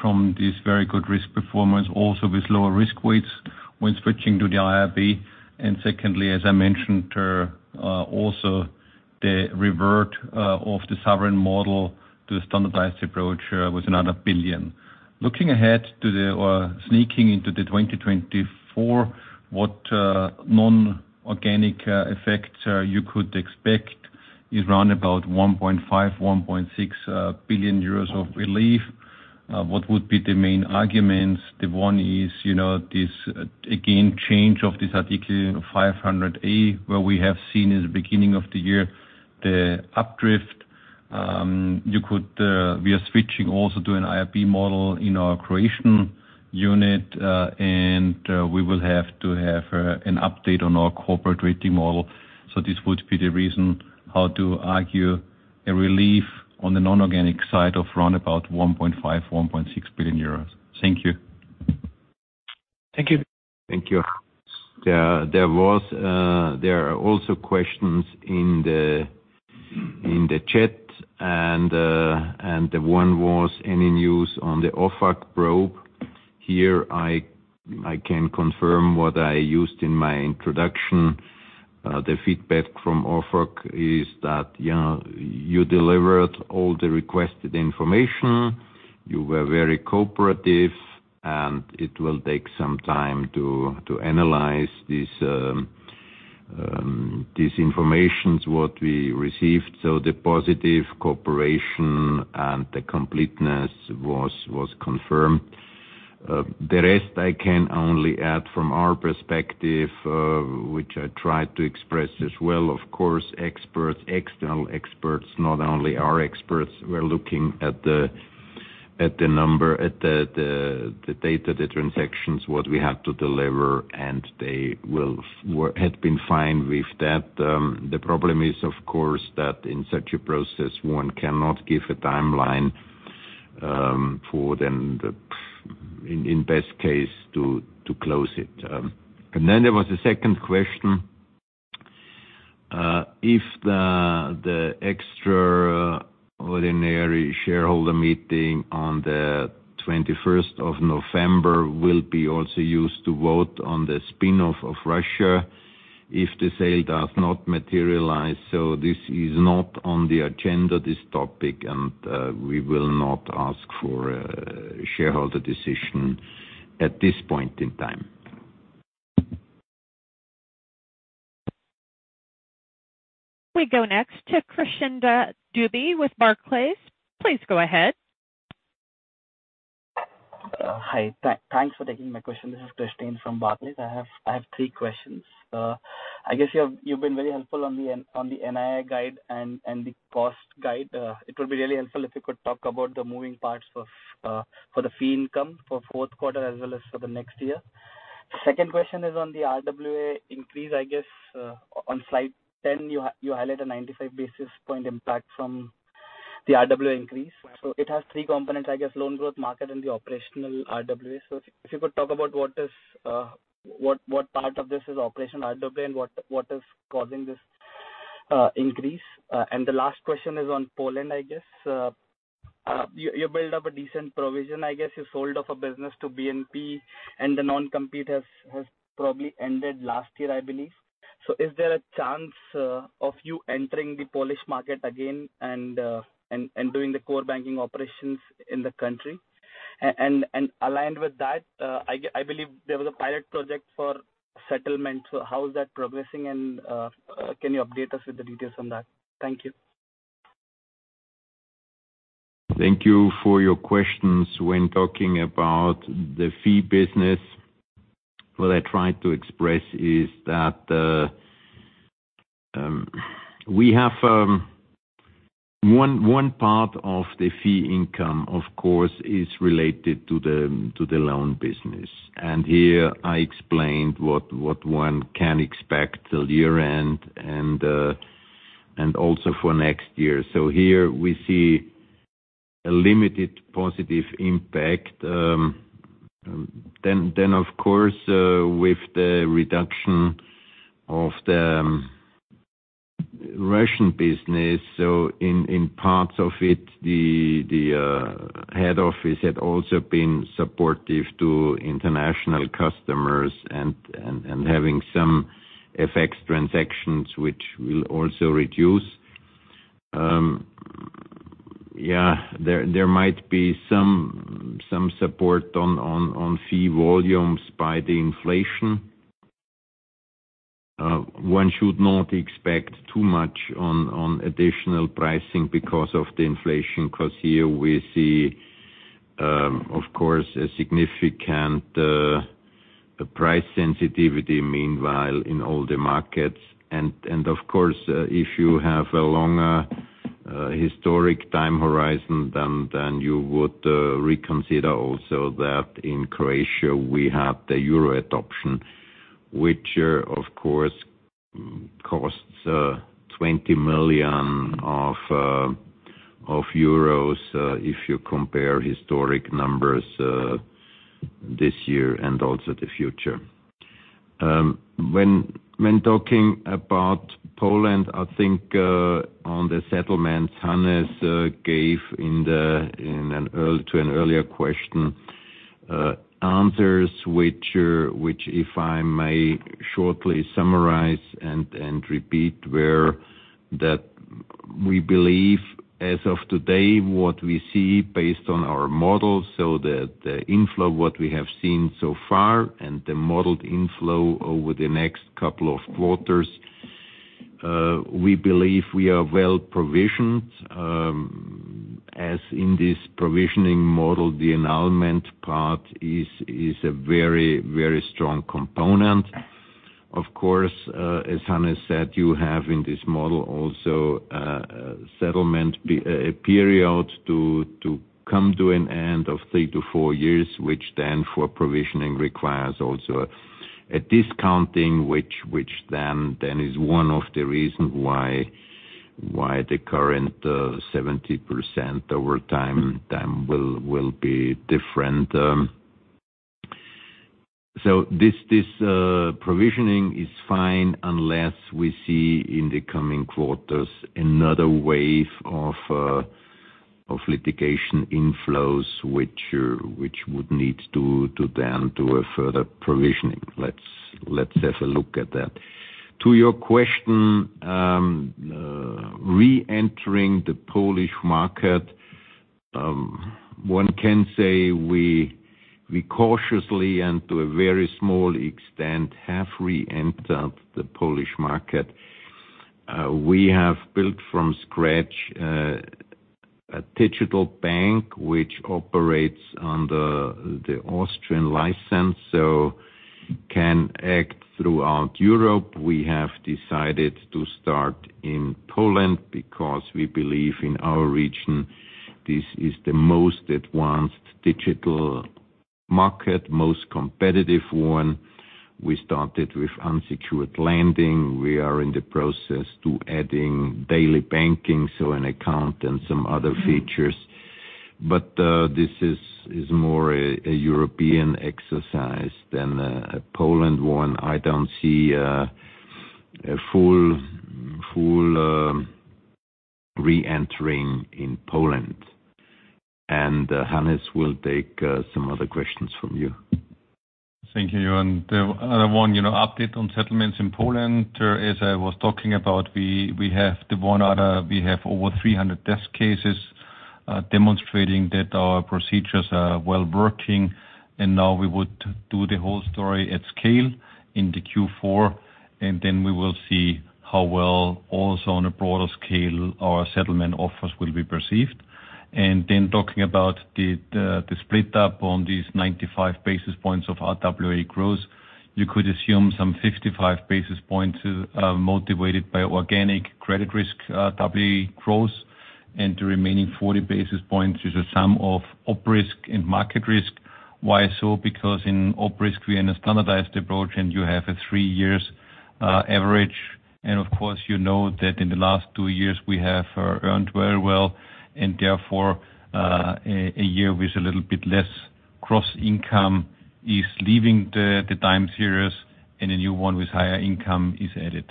from this very good risk performance, also with lower risk weights when switching to the IRB. And secondly, as I mentioned, also the revert of the sovereign model to the standardized approach was another 1 billion. Looking ahead to the sneaking into the 2024, what non-organic effect you could expect is around about 1.5 billion-1.6 billion euros of relief. What would be the main arguments? The one is, you know, this, again, change of this Article 500A, where we have seen in the beginning of the year the updrift. You could, we are switching also to an IRB model in our creation unit, and, we will have to have, an update on our corporate rating model. So this would be the reason how to argue a relief on the non-organic side of around about 1.5 billion-1.6 billion euros. Thank you. Thank you. Thank you. There are also questions in the chat, and the one was: Any news on the OFAC probe? Here, I can confirm what I used in my introduction. The feedback from OFAC is that, you know, you delivered all the requested information, you were very cooperative, and it will take some time to analyze these information, what we received. So the positive cooperation and the completeness was confirmed. The rest I can only add from our perspective, which I tried to express as well. Of course, external experts, not only our experts, were looking at the data, the transactions, what we had to deliver, and they had been fine with that. The problem is, of course, that in such a process, one cannot give a timeline for, in the best case, to close it. And then there was a second question. If the extraordinary shareholder meeting on the twenty-first of November will be also used to vote on the spin-off of Russia, if the sale does not materialize, so this is not on the agenda, this topic, and we will not ask for a shareholder decision at this point in time. We go next to Krishnendu Dubey with Barclays. Please go ahead. Hi, thanks for taking my question. This is Krishnendu from Barclays. I have, I have three questions. I guess you have—you've been very helpful on the NII guide and the cost guide. It would be really helpful if you could talk about the moving parts of for the fee income for fourth quarter as well as for the next year. Second question is on the RWA increase, I guess, on slide 10, you highlight a 95 basis point impact from the RWA increase. So it has three components, I guess, loan growth market and the operational RWA. So if you could talk about what is what part of this is operational RWA and what is causing this increase? And the last question is on Poland, I guess. You build up a decent provision. I guess you sold off a business to BNP, and the non-compete has probably ended last year, I believe. So is there a chance of you entering the Polish market again and doing the core banking operations in the country? And aligned with that, I believe there was a pilot project for settlement. So how is that progressing, and can you update us with the details on that? Thank you. Thank you for your questions. When talking about the fee business, what I tried to express is that we have one part of the fee income, of course, is related to the loan business. And here I explained what one can expect till year-end and also for next year. So here we see a limited positive impact. Then, of course, with the reduction of the Russian business, so in parts of it, the head office had also been supportive to international customers and having some FX transactions, which will also reduce. Yeah, there might be some support on fee volumes by the inflation. One should not expect too much on additional pricing because of the inflation, because here we see, of course, a significant price sensitivity, meanwhile, in all the markets. And of course, if you have a longer historic time horizon, then you would reconsider also that in Croatia, we have the euro adoption, which, of course, costs EUR 20 million, if you compare historic numbers, this year and also the future. When talking about Poland, I think, on the settlements, Hannes gave in the—in an earlier question, answers which, if I may shortly summarize and repeat, were that we believe as of today, what we see based on our model, so the inflow, what we have seen so far and the modeled inflow over the next couple of quarters, we believe we are well-provisioned. As in this provisioning model, the annulment part is a very, very strong component. Of course, as Hannes said, you have in this model also, settlement a period to come to an end of three to four years, which then for provisioning requires also a discounting, which then is one of the reason why-... Why the current seventy percent over time will be different. So this provisioning is fine, unless we see in the coming quarters, another wave of litigation inflows, which would need to then do a further provisioning. Let's have a look at that. To your question, reentering the Polish market, one can say we cautiously and to a very small extent, have reentered the Polish market. We have built from scratch a digital bank, which operates under the Austrian license, so can act throughout Europe. We have decided to start in Poland because we believe in our region, this is the most advanced digital market, most competitive one. We started with unsecured lending. We are in the process to adding daily banking, so an account and some other features. But this is more a European exercise than a Poland one. I don't see a full reentering in Poland. And Hannes will take some other questions from you. Thank you. And the other one, you know, update on settlements in Poland, as I was talking about, we have the one order. We have over 300 test cases, demonstrating that our procedures are well working, and now we would do the whole story at scale in the Q4, and then we will see how well, also on a broader scale, our settlement offers will be perceived. And then talking about the split up on these 95 basis points of RWA growth, you could assume some 55 basis points, motivated by organic credit risk, RWA growth, and the remaining 40 basis points is a sum of op risk and market risk. Why so? Because in op risk, we in a standardized approach, and you have a 3-year average. And of course, you know that in the last two years we have earned very well, and therefore, a year with a little bit less cross-income is leaving the time series, and a new one with higher income is added.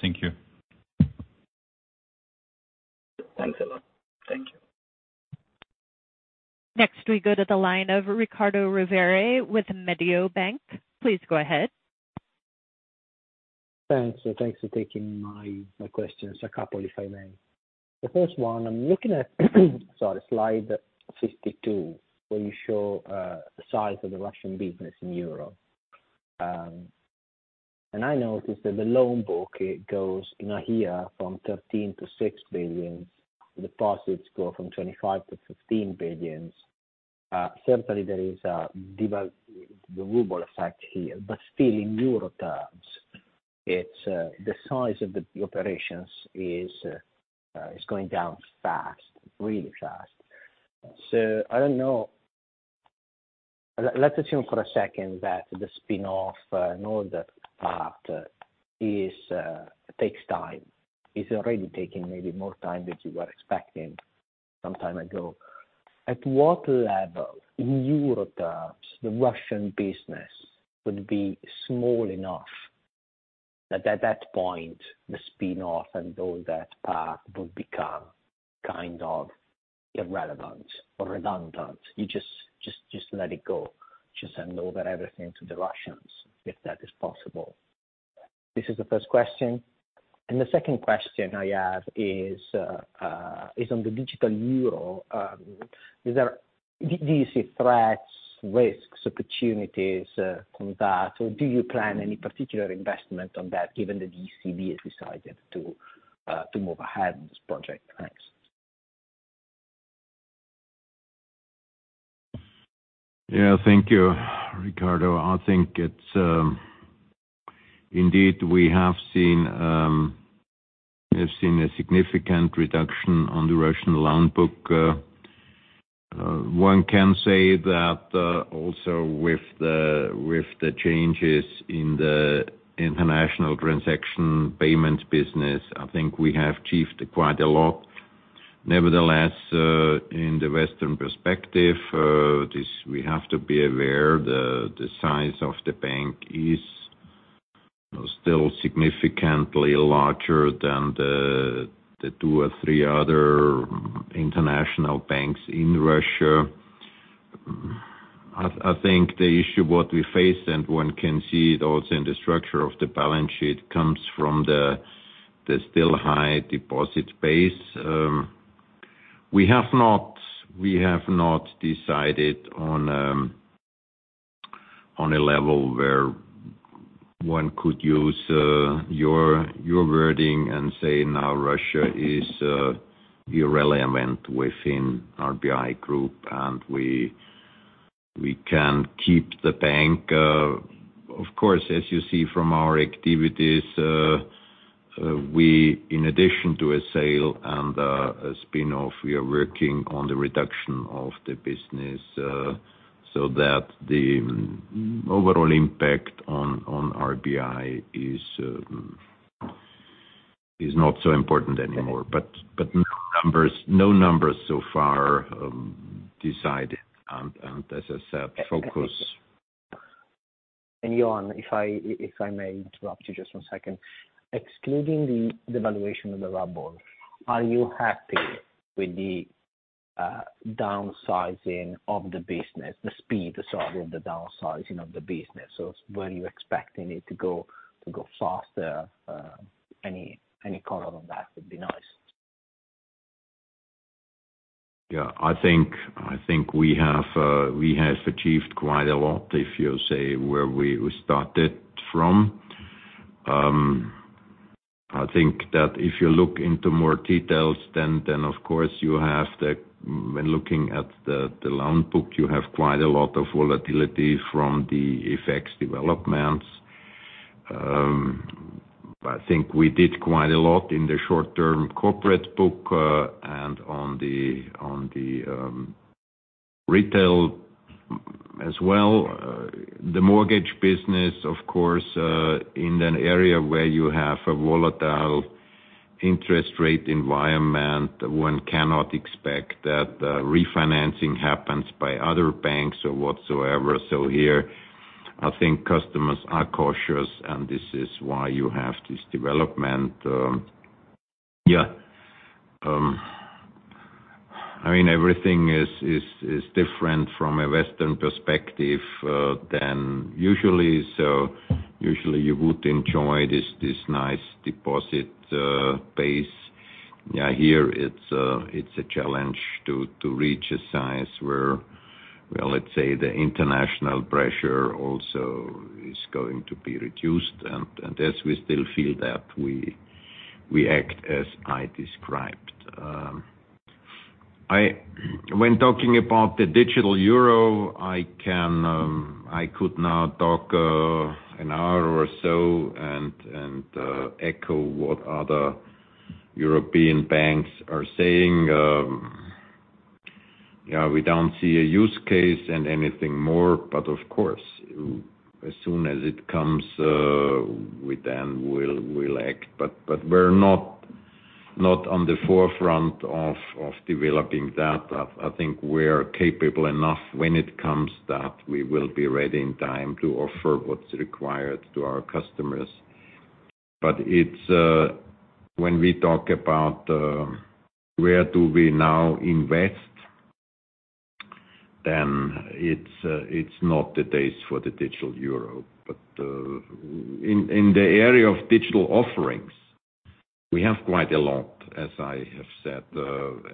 Thank you. Thanks a lot. Thank you. Next, we go to the line of Riccardo Rovere with Mediobanca. Please go ahead. Thanks. So thanks for taking my questions, a couple if I may. The first one I'm looking at, sorry, slide 52, where you show the size of the Russian business in euro. And I noticed that the loan book, it goes in a year from 13 billion to 6 billion, deposits go from 25 billion to 15 billion. Certainly there is devaluation, the ruble effect here, but still in euro terms, it's the size of the operations is going down fast, really fast. So I don't know. Let's assume for a second that the spin-off, you know that part is takes time. It's already taking maybe more time than you were expecting some time ago. At what level, in euro terms, the Russian business would be small enough that at that point, the spin-off and all that part would become kind of irrelevant or redundant? You just, just, just let it go, just hand over everything to the Russians, if that is possible. This is the first question. And the second question I have is on the digital euro, do you see threats, risks, opportunities from that, or do you plan any particular investment on that, given the ECB has decided to move ahead on this project? Thanks. Yeah. Thank you, Riccardo. I think it's indeed, we have seen a significant reduction on the Russian loan book. One can say that also with the changes in the international transaction payments business, I think we have achieved quite a lot. Nevertheless, in the Western perspective, this, we have to be aware the size of the bank is still significantly larger than the two or three other international banks in Russia. I think the issue what we face, and one can see it also in the structure of the balance sheet, comes from the still high deposit base. We have not decided on a level where one could use your wording and say, now Russia is irrelevant within RBI Group, and we can keep the bank. Of course, as you see from our activities, in addition to a sale and a spin-off, we are working on the reduction of the business. So that the overall impact on RBI is not so important anymore, but no numbers so far, decide. And as I said, focus- Johann, if I, if I may interrupt you just one second. Excluding the devaluation of the ruble, are you happy with the downsizing of the business, the speed, sorry, of the downsizing of the business? Were you expecting it to go faster? Any color on that would be nice. Yeah, I think, I think we have, we have achieved quite a lot, if you say where we, we started from. I think that if you look into more details, then of course, when looking at the loan book, you have quite a lot of volatility from the FX developments. I think we did quite a lot in the short-term corporate book, and on the retail as well. The mortgage business, of course, in an area where you have a volatile interest rate environment, one cannot expect that refinancing happens by other banks or whatsoever. So here, I think customers are cautious, and this is why you have this development. Yeah, I mean, everything is different from a Western perspective than usually. So usually you would enjoy this, this nice deposit base. Yeah, here, it's a challenge to reach a size where, well, let's say, the international pressure also is going to be reduced, and as we still feel that we act, as I described. When talking about the digital euro, I can, I could now talk an hour or so and echo what other European banks are saying. Yeah, we don't see a use case and anything more, but of course, as soon as it comes, we then we'll act. But we're not on the forefront of developing that. I think we're capable enough when it comes, that we will be ready in time to offer what's required to our customers. But it's when we talk about where we now invest, then it's not the days for the digital euro. But in the area of digital offerings, we have quite a lot, as I have said,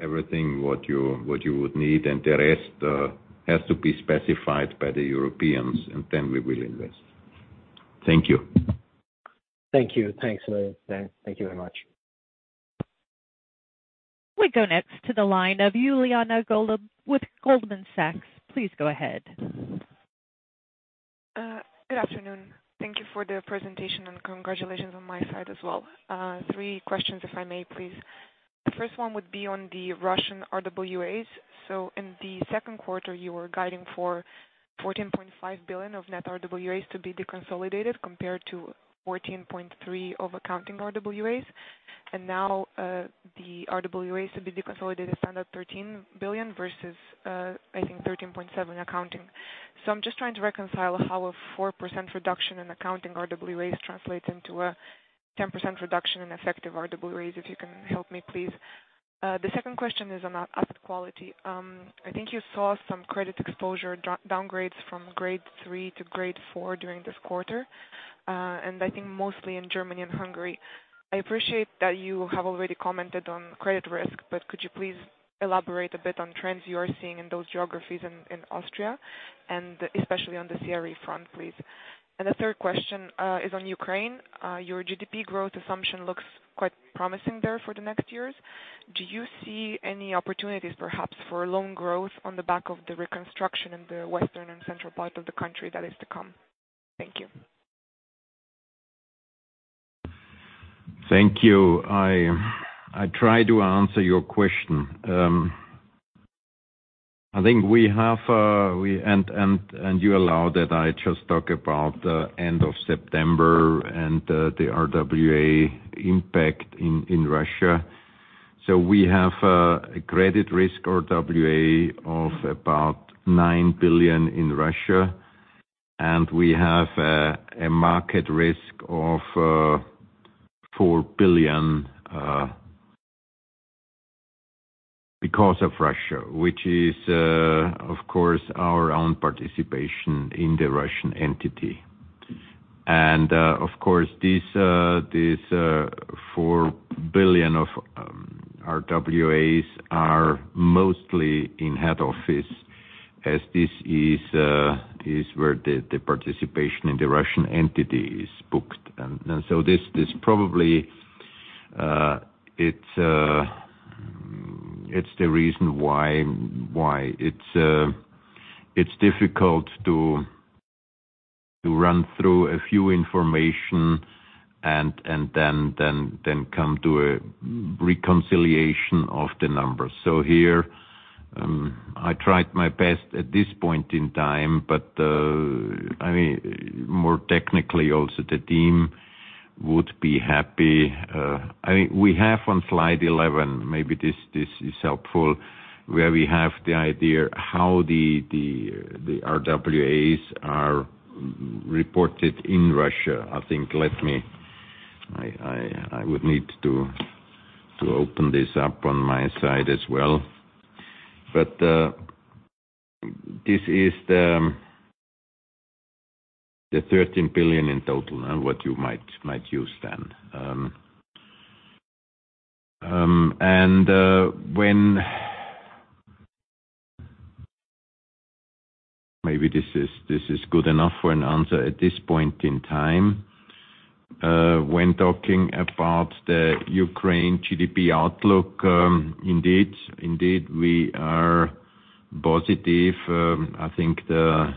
everything what you would need, and the rest has to be specified by the Europeans, and then we will invest. Thank you. Thank you. Thanks a lot. Thank you very much. We go next to the line of Juliana Sherwin with Goldman Sachs. Please go ahead. Good afternoon. Thank you for the presentation, and congratulations on my side as well. Three questions, if I may please. The first one would be on the Russian RWAs. So in the second quarter, you were guiding for 14.5 billion of net RWAs to be deconsolidated, compared to 14.3 billion of accounting RWAs. And now, the RWAs to be deconsolidated stand at 13 billion versus, I think, 13.7 billion accounting. So I'm just trying to reconcile how a 4% reduction in accounting RWAs translates into a 10% reduction in effective RWAs. If you can help me, please. The second question is on asset quality. I think you saw some credit exposure downgrades from grade three to grade four during this quarter, and I think mostly in Germany and Hungary. I appreciate that you have already commented on credit risk, but could you please elaborate a bit on trends you are seeing in those geographies in Austria, and especially on the CRE front, please? And the third question is on Ukraine. Your GDP growth assumption looks quite promising there for the next years. Do you see any opportunities, perhaps, for loan growth on the back of the reconstruction in the western and central part of the country that is to come? Thank you. Thank you. I try to answer your question. I think we have. And you allow that I just talk about the end of September and the RWA impact in Russia. So we have a credit risk RWA of about 9 billion in Russia, and we have a market risk of 4 billion because of Russia, which is of course our own participation in the Russian entity. And of course these four billion of RWAs are mostly in head office, as this is where the participation in the Russian entity is booked. And so this probably it's the reason why it's difficult to run through a few information and then come to a reconciliation of the numbers. So here, I tried my best at this point in time, but, I mean, more technically, also, the team would be happy. I think we have on slide 11, maybe this, this is helpful, where we have the idea how the RWAs are reported in Russia. I think let me I would need to open this up on my side as well. But, this is the 13 billion in total, and what you might use then. When maybe this is, this is good enough for an answer at this point in time. When talking about the Ukraine GDP outlook, indeed, we are positive. I think the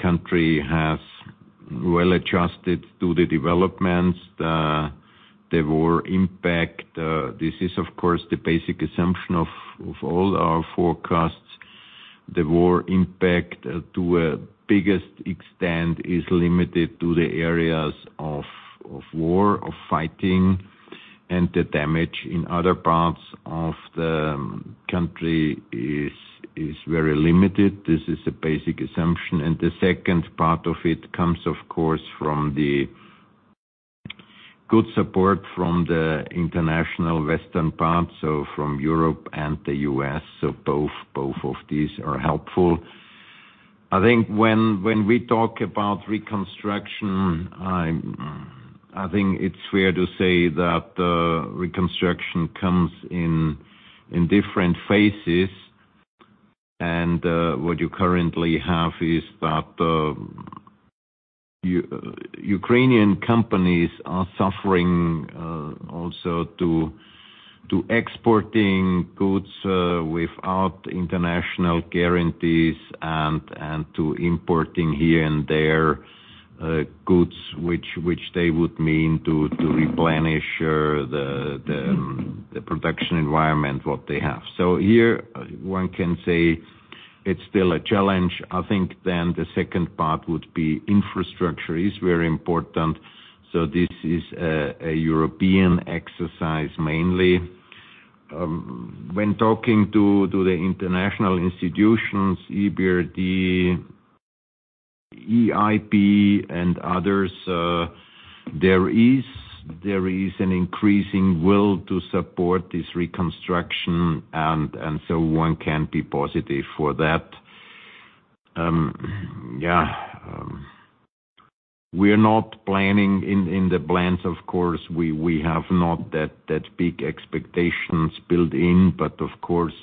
country has well adjusted to the developments, the war impact. This is, of course, the basic assumption of all our forecasts. The war impact to the biggest extent is limited to the areas of war, of fighting, and the damage in other parts of the country is very limited. This is a basic assumption, and the second part of it comes, of course, from the good support from the international Western part, so from Europe and the US. So both, both of these are helpful. I think when we talk about reconstruction, I think it's fair to say that reconstruction comes in different phases. And what you currently have is that Ukrainian companies are suffering also to exporting goods without international guarantees and to importing here and there goods which they would mean to replenish the production environment what they have. So here one can say it's still a challenge. I think then the second part would be infrastructure is very important, so this is a European exercise, mainly. When talking to the international institutions, EBRD, EIB, and others, there is an increasing will to support this reconstruction, and so one can be positive for that. We are not planning in the plans, of course, we have not that big expectations built in. But, of course,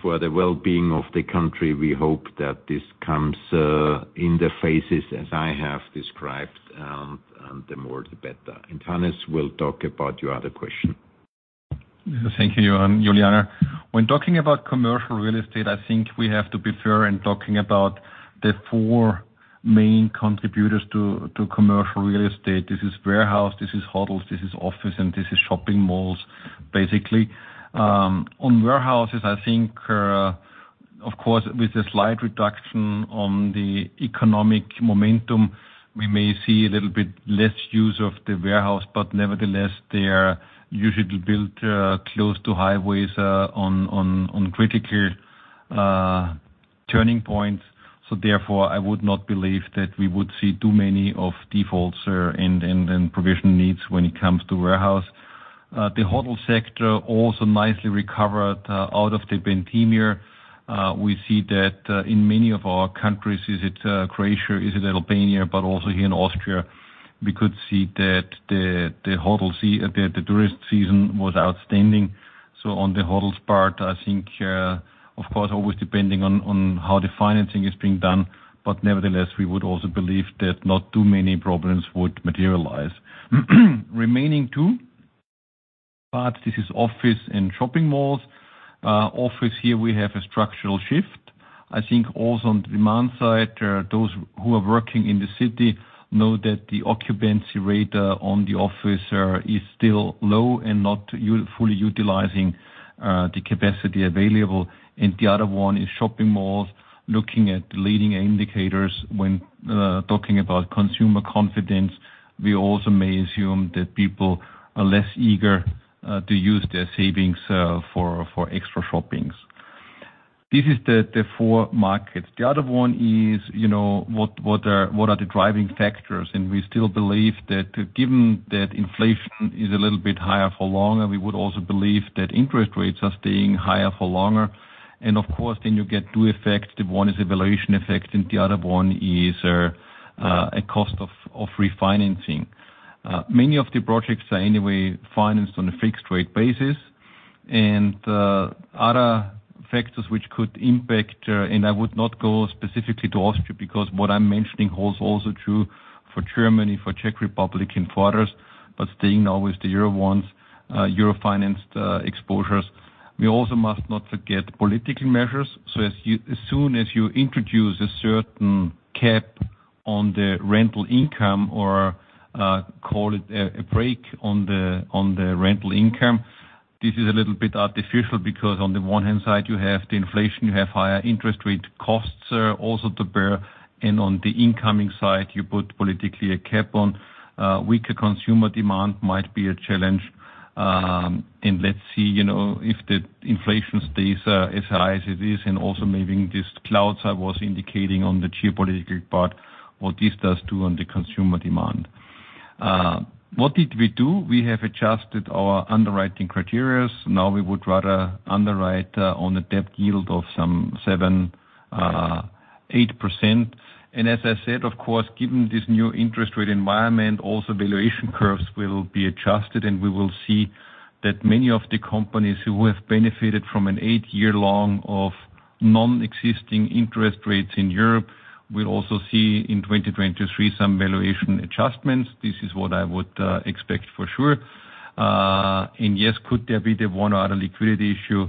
for the well-being of the country, we hope that this comes in the phases as I have described, and the more, the better. And Hannes will talk about your other question. Thank you, Johann, Juliana. When talking about commercial real estate, I think we have to be fair in talking about the four main contributors to commercial real estate. This is warehouse, this is hotels, this is office, and this is shopping malls, basically. On warehouses, I think, of course, with a slight reduction on the economic momentum, we may see a little bit less use of the warehouse, but nevertheless, they are usually built close to highways on critical turning points. So therefore, I would not believe that we would see too many of defaults and provision needs when it comes to warehouse. The hotel sector also nicely recovered out of the pandemic. We see that in many of our countries, is it Croatia, is it Albania, but also here in Austria, we could see that the tourist season was outstanding. So on the hotels part, I think, of course, always depending on how the financing is being done, but nevertheless, we would also believe that not too many problems would materialize. Remaining two, but this is office and shopping malls. Office here, we have a structural shift. I think also on the demand side, those who are working in the city know that the occupancy rate on the office is still low and not fully utilizing the capacity available. The other one is shopping malls. Looking at the leading indicators when talking about consumer confidence, we also may assume that people are less eager to use their savings for extra shopping. This is the four markets. The other one is, you know, what are the driving factors? And we still believe that given that inflation is a little bit higher for longer, we would also believe that interest rates are staying higher for longer. And of course, then you get two effects. The one is valuation effect, and the other one is a cost of refinancing. Many of the projects are anyway financed on a fixed rate basis, and other factors which could impact, and I would not go specifically to Austria, because what I'm mentioning holds also true-... for Germany, for Czech Republic in quarters, but staying always the euro ones, euro-financed exposures. We also must not forget political measures. So as soon as you introduce a certain cap on the rental income or call it a break on the rental income, this is a little bit artificial, because on the one hand side, you have the inflation, you have higher interest rate costs also to bear, and on the incoming side, you put politically a cap on weaker consumer demand might be a challenge. And let's see, you know, if the inflation stays as high as it is, and also maybe these clouds I was indicating on the geopolitical part, what this does too on the consumer demand. What did we do? We have adjusted our underwriting criteria. Now, we would rather underwrite on a debt yield of some 7%-8%. And as I said, of course, given this new interest rate environment, also valuation curves will be adjusted. And we will see that many of the companies who have benefited from an 8-year long of non-existing interest rates in Europe, will also see in 2023 some valuation adjustments. This is what I would expect for sure. And yes, could there be the one or other liquidity issue?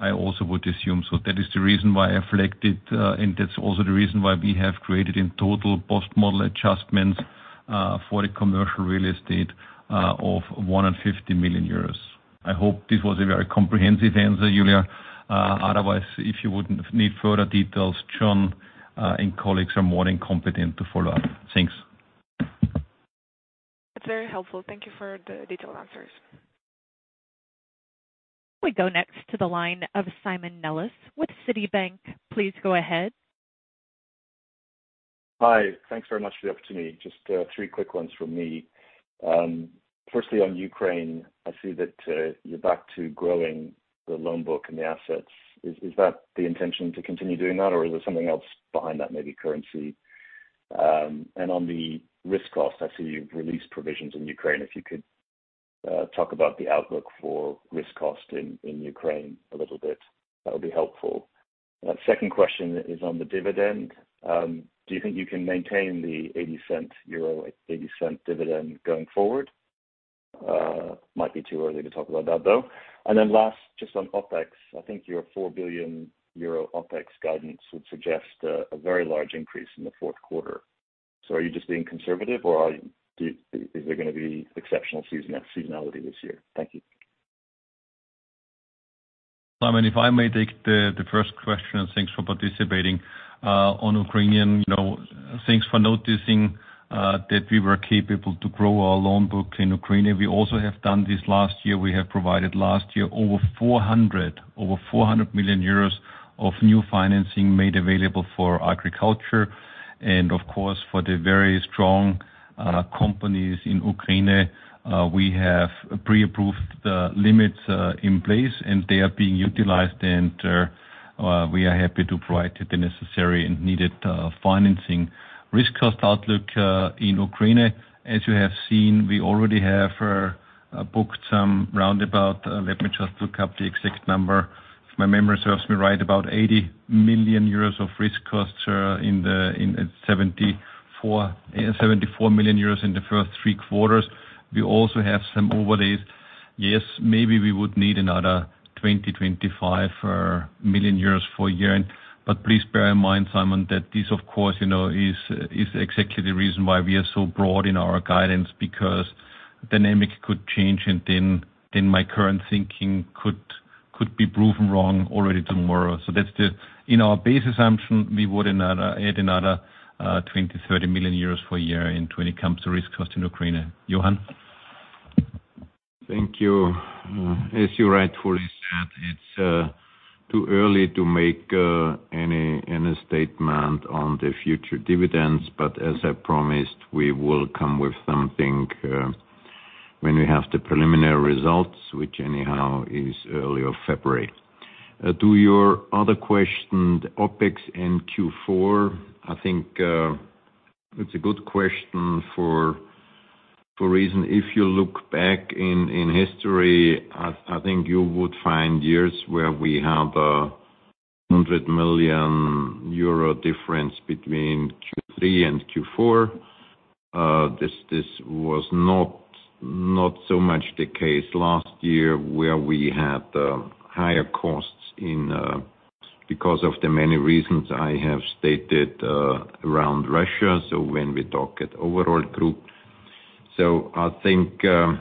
I also would assume so. That is the reason why I reflected, and that's also the reason why we have created in total post-model adjustments for the commercial real estate of 150 million euros. I hope this was a very comprehensive answer, Julia. Otherwise, if you would need further details, Johann, and colleagues are more than competent to follow up. Thanks. It's very helpful. Thank you for the detailed answers. We go next to the line of Simon Nellis with Citibank. Please go ahead. Hi, thanks very much for the opportunity. Just, three quick ones from me. Firstly, on Ukraine, I see that, you're back to growing the loan book and the assets. Is that the intention to continue doing that, or is there something else behind that, maybe currency? And on the risk cost, I see you've released provisions in Ukraine. If you could, talk about the outlook for risk cost in Ukraine a little bit, that would be helpful. Second question is on the dividend. Do you think you can maintain the 0.80 dividend going forward? Might be too early to talk about that, though. And then last, just on OpEx, I think your 4 billion euro OpEx guidance would suggest, a very large increase in the fourth quarter. So are you just being conservative or is there gonna be exceptional seasonality this year? Thank you. Simon, if I may take the first question, and thanks for participating. On Ukrainian, you know, thanks for noticing that we were capable to grow our loan book in Ukraine. We also have done this last year. We have provided last year, over 400 million euros of new financing made available for agriculture, and of course, for the very strong companies in Ukraine. We have pre-approved limits in place, and they are being utilized, and we are happy to provide the necessary and needed financing. Risk cost outlook in Ukraine, as you have seen, we already have booked some roundabout, let me just look up the exact number. If my memory serves me right, about 80 million euros of risk costs in 74 million euros in the first three quarters. We also have some overlays. Yes, maybe we would need another 20-25 million euros for a year. But please bear in mind, Simon, that this, of course, you know, is, is exactly the reason why we are so broad in our guidance, because dynamics could change, and then, then my current thinking could, could be proven wrong already tomorrow. So that's the... In our base assumption, we would add another 20-30 million euros for a year when it comes to risk cost in Ukraine. Johann? Thank you. As you rightfully said, it's too early to make any statement on the future dividends, but as I promised, we will come with something when we have the preliminary results, which anyhow is early of February. To your other question, OpEx in Q4, I think it's a good question for a reason. If you look back in history, I think you would find years where we have a 100 million euro difference between Q3 and Q4. This was not so much the case last year, where we had higher costs in because of the many reasons I have stated around Russia, so when we talk at overall group. So I think, I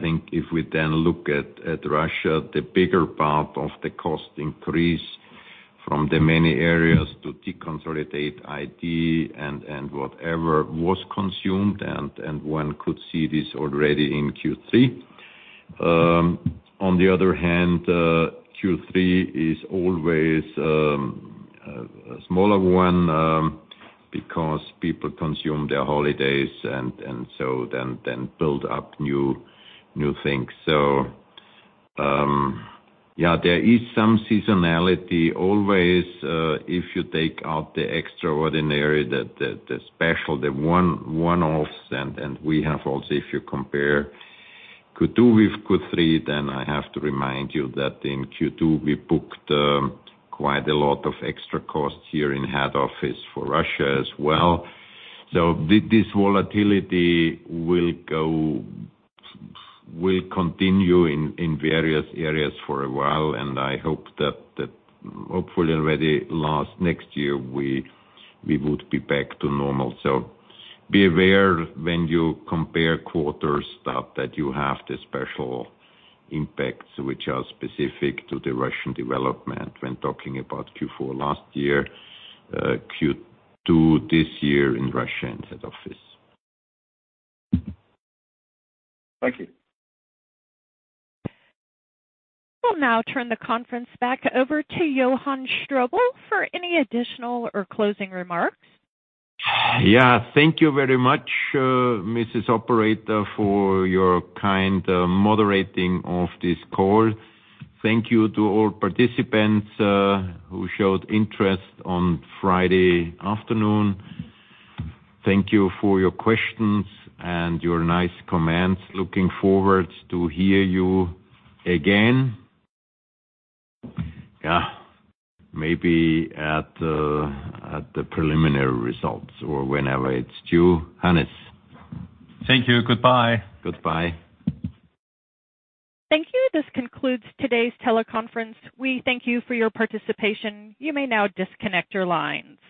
think if we then look at Russia, the bigger part of the cost increase from the many areas to deconsolidate it and whatever was consumed, and one could see this already in Q3. On the other hand, Q3 is always a smaller one, because people consume their holidays and so then build up new things. So, yeah, there is some seasonality always, if you take out the extraordinary, the special, the one-offs, and we have also, if you compare Q2 with Q3, then I have to remind you that in Q2, we booked quite a lot of extra costs here in head office for Russia as well. So this volatility will go, will continue in various areas for a while, and I hope that hopefully already last next year, we would be back to normal. So be aware when you compare quarter stuff, that you have the special impacts, which are specific to the Russian development when talking about Q4 last year, Q2 this year in Russia and head office. Thank you. We'll now turn the conference back over to Johann Strobl for any additional or closing remarks. Yeah, thank you very much, Mrs. Operator, for your kind moderating of this call. Thank you to all participants who showed interest on Friday afternoon. Thank you for your questions and your nice comments. Looking forward to hear you again. Yeah, maybe at the preliminary results or whenever it's due. Hannes? Thank you. Goodbye. Goodbye. Thank you. This concludes today's teleconference. We thank you for your participation. You may now disconnect your lines.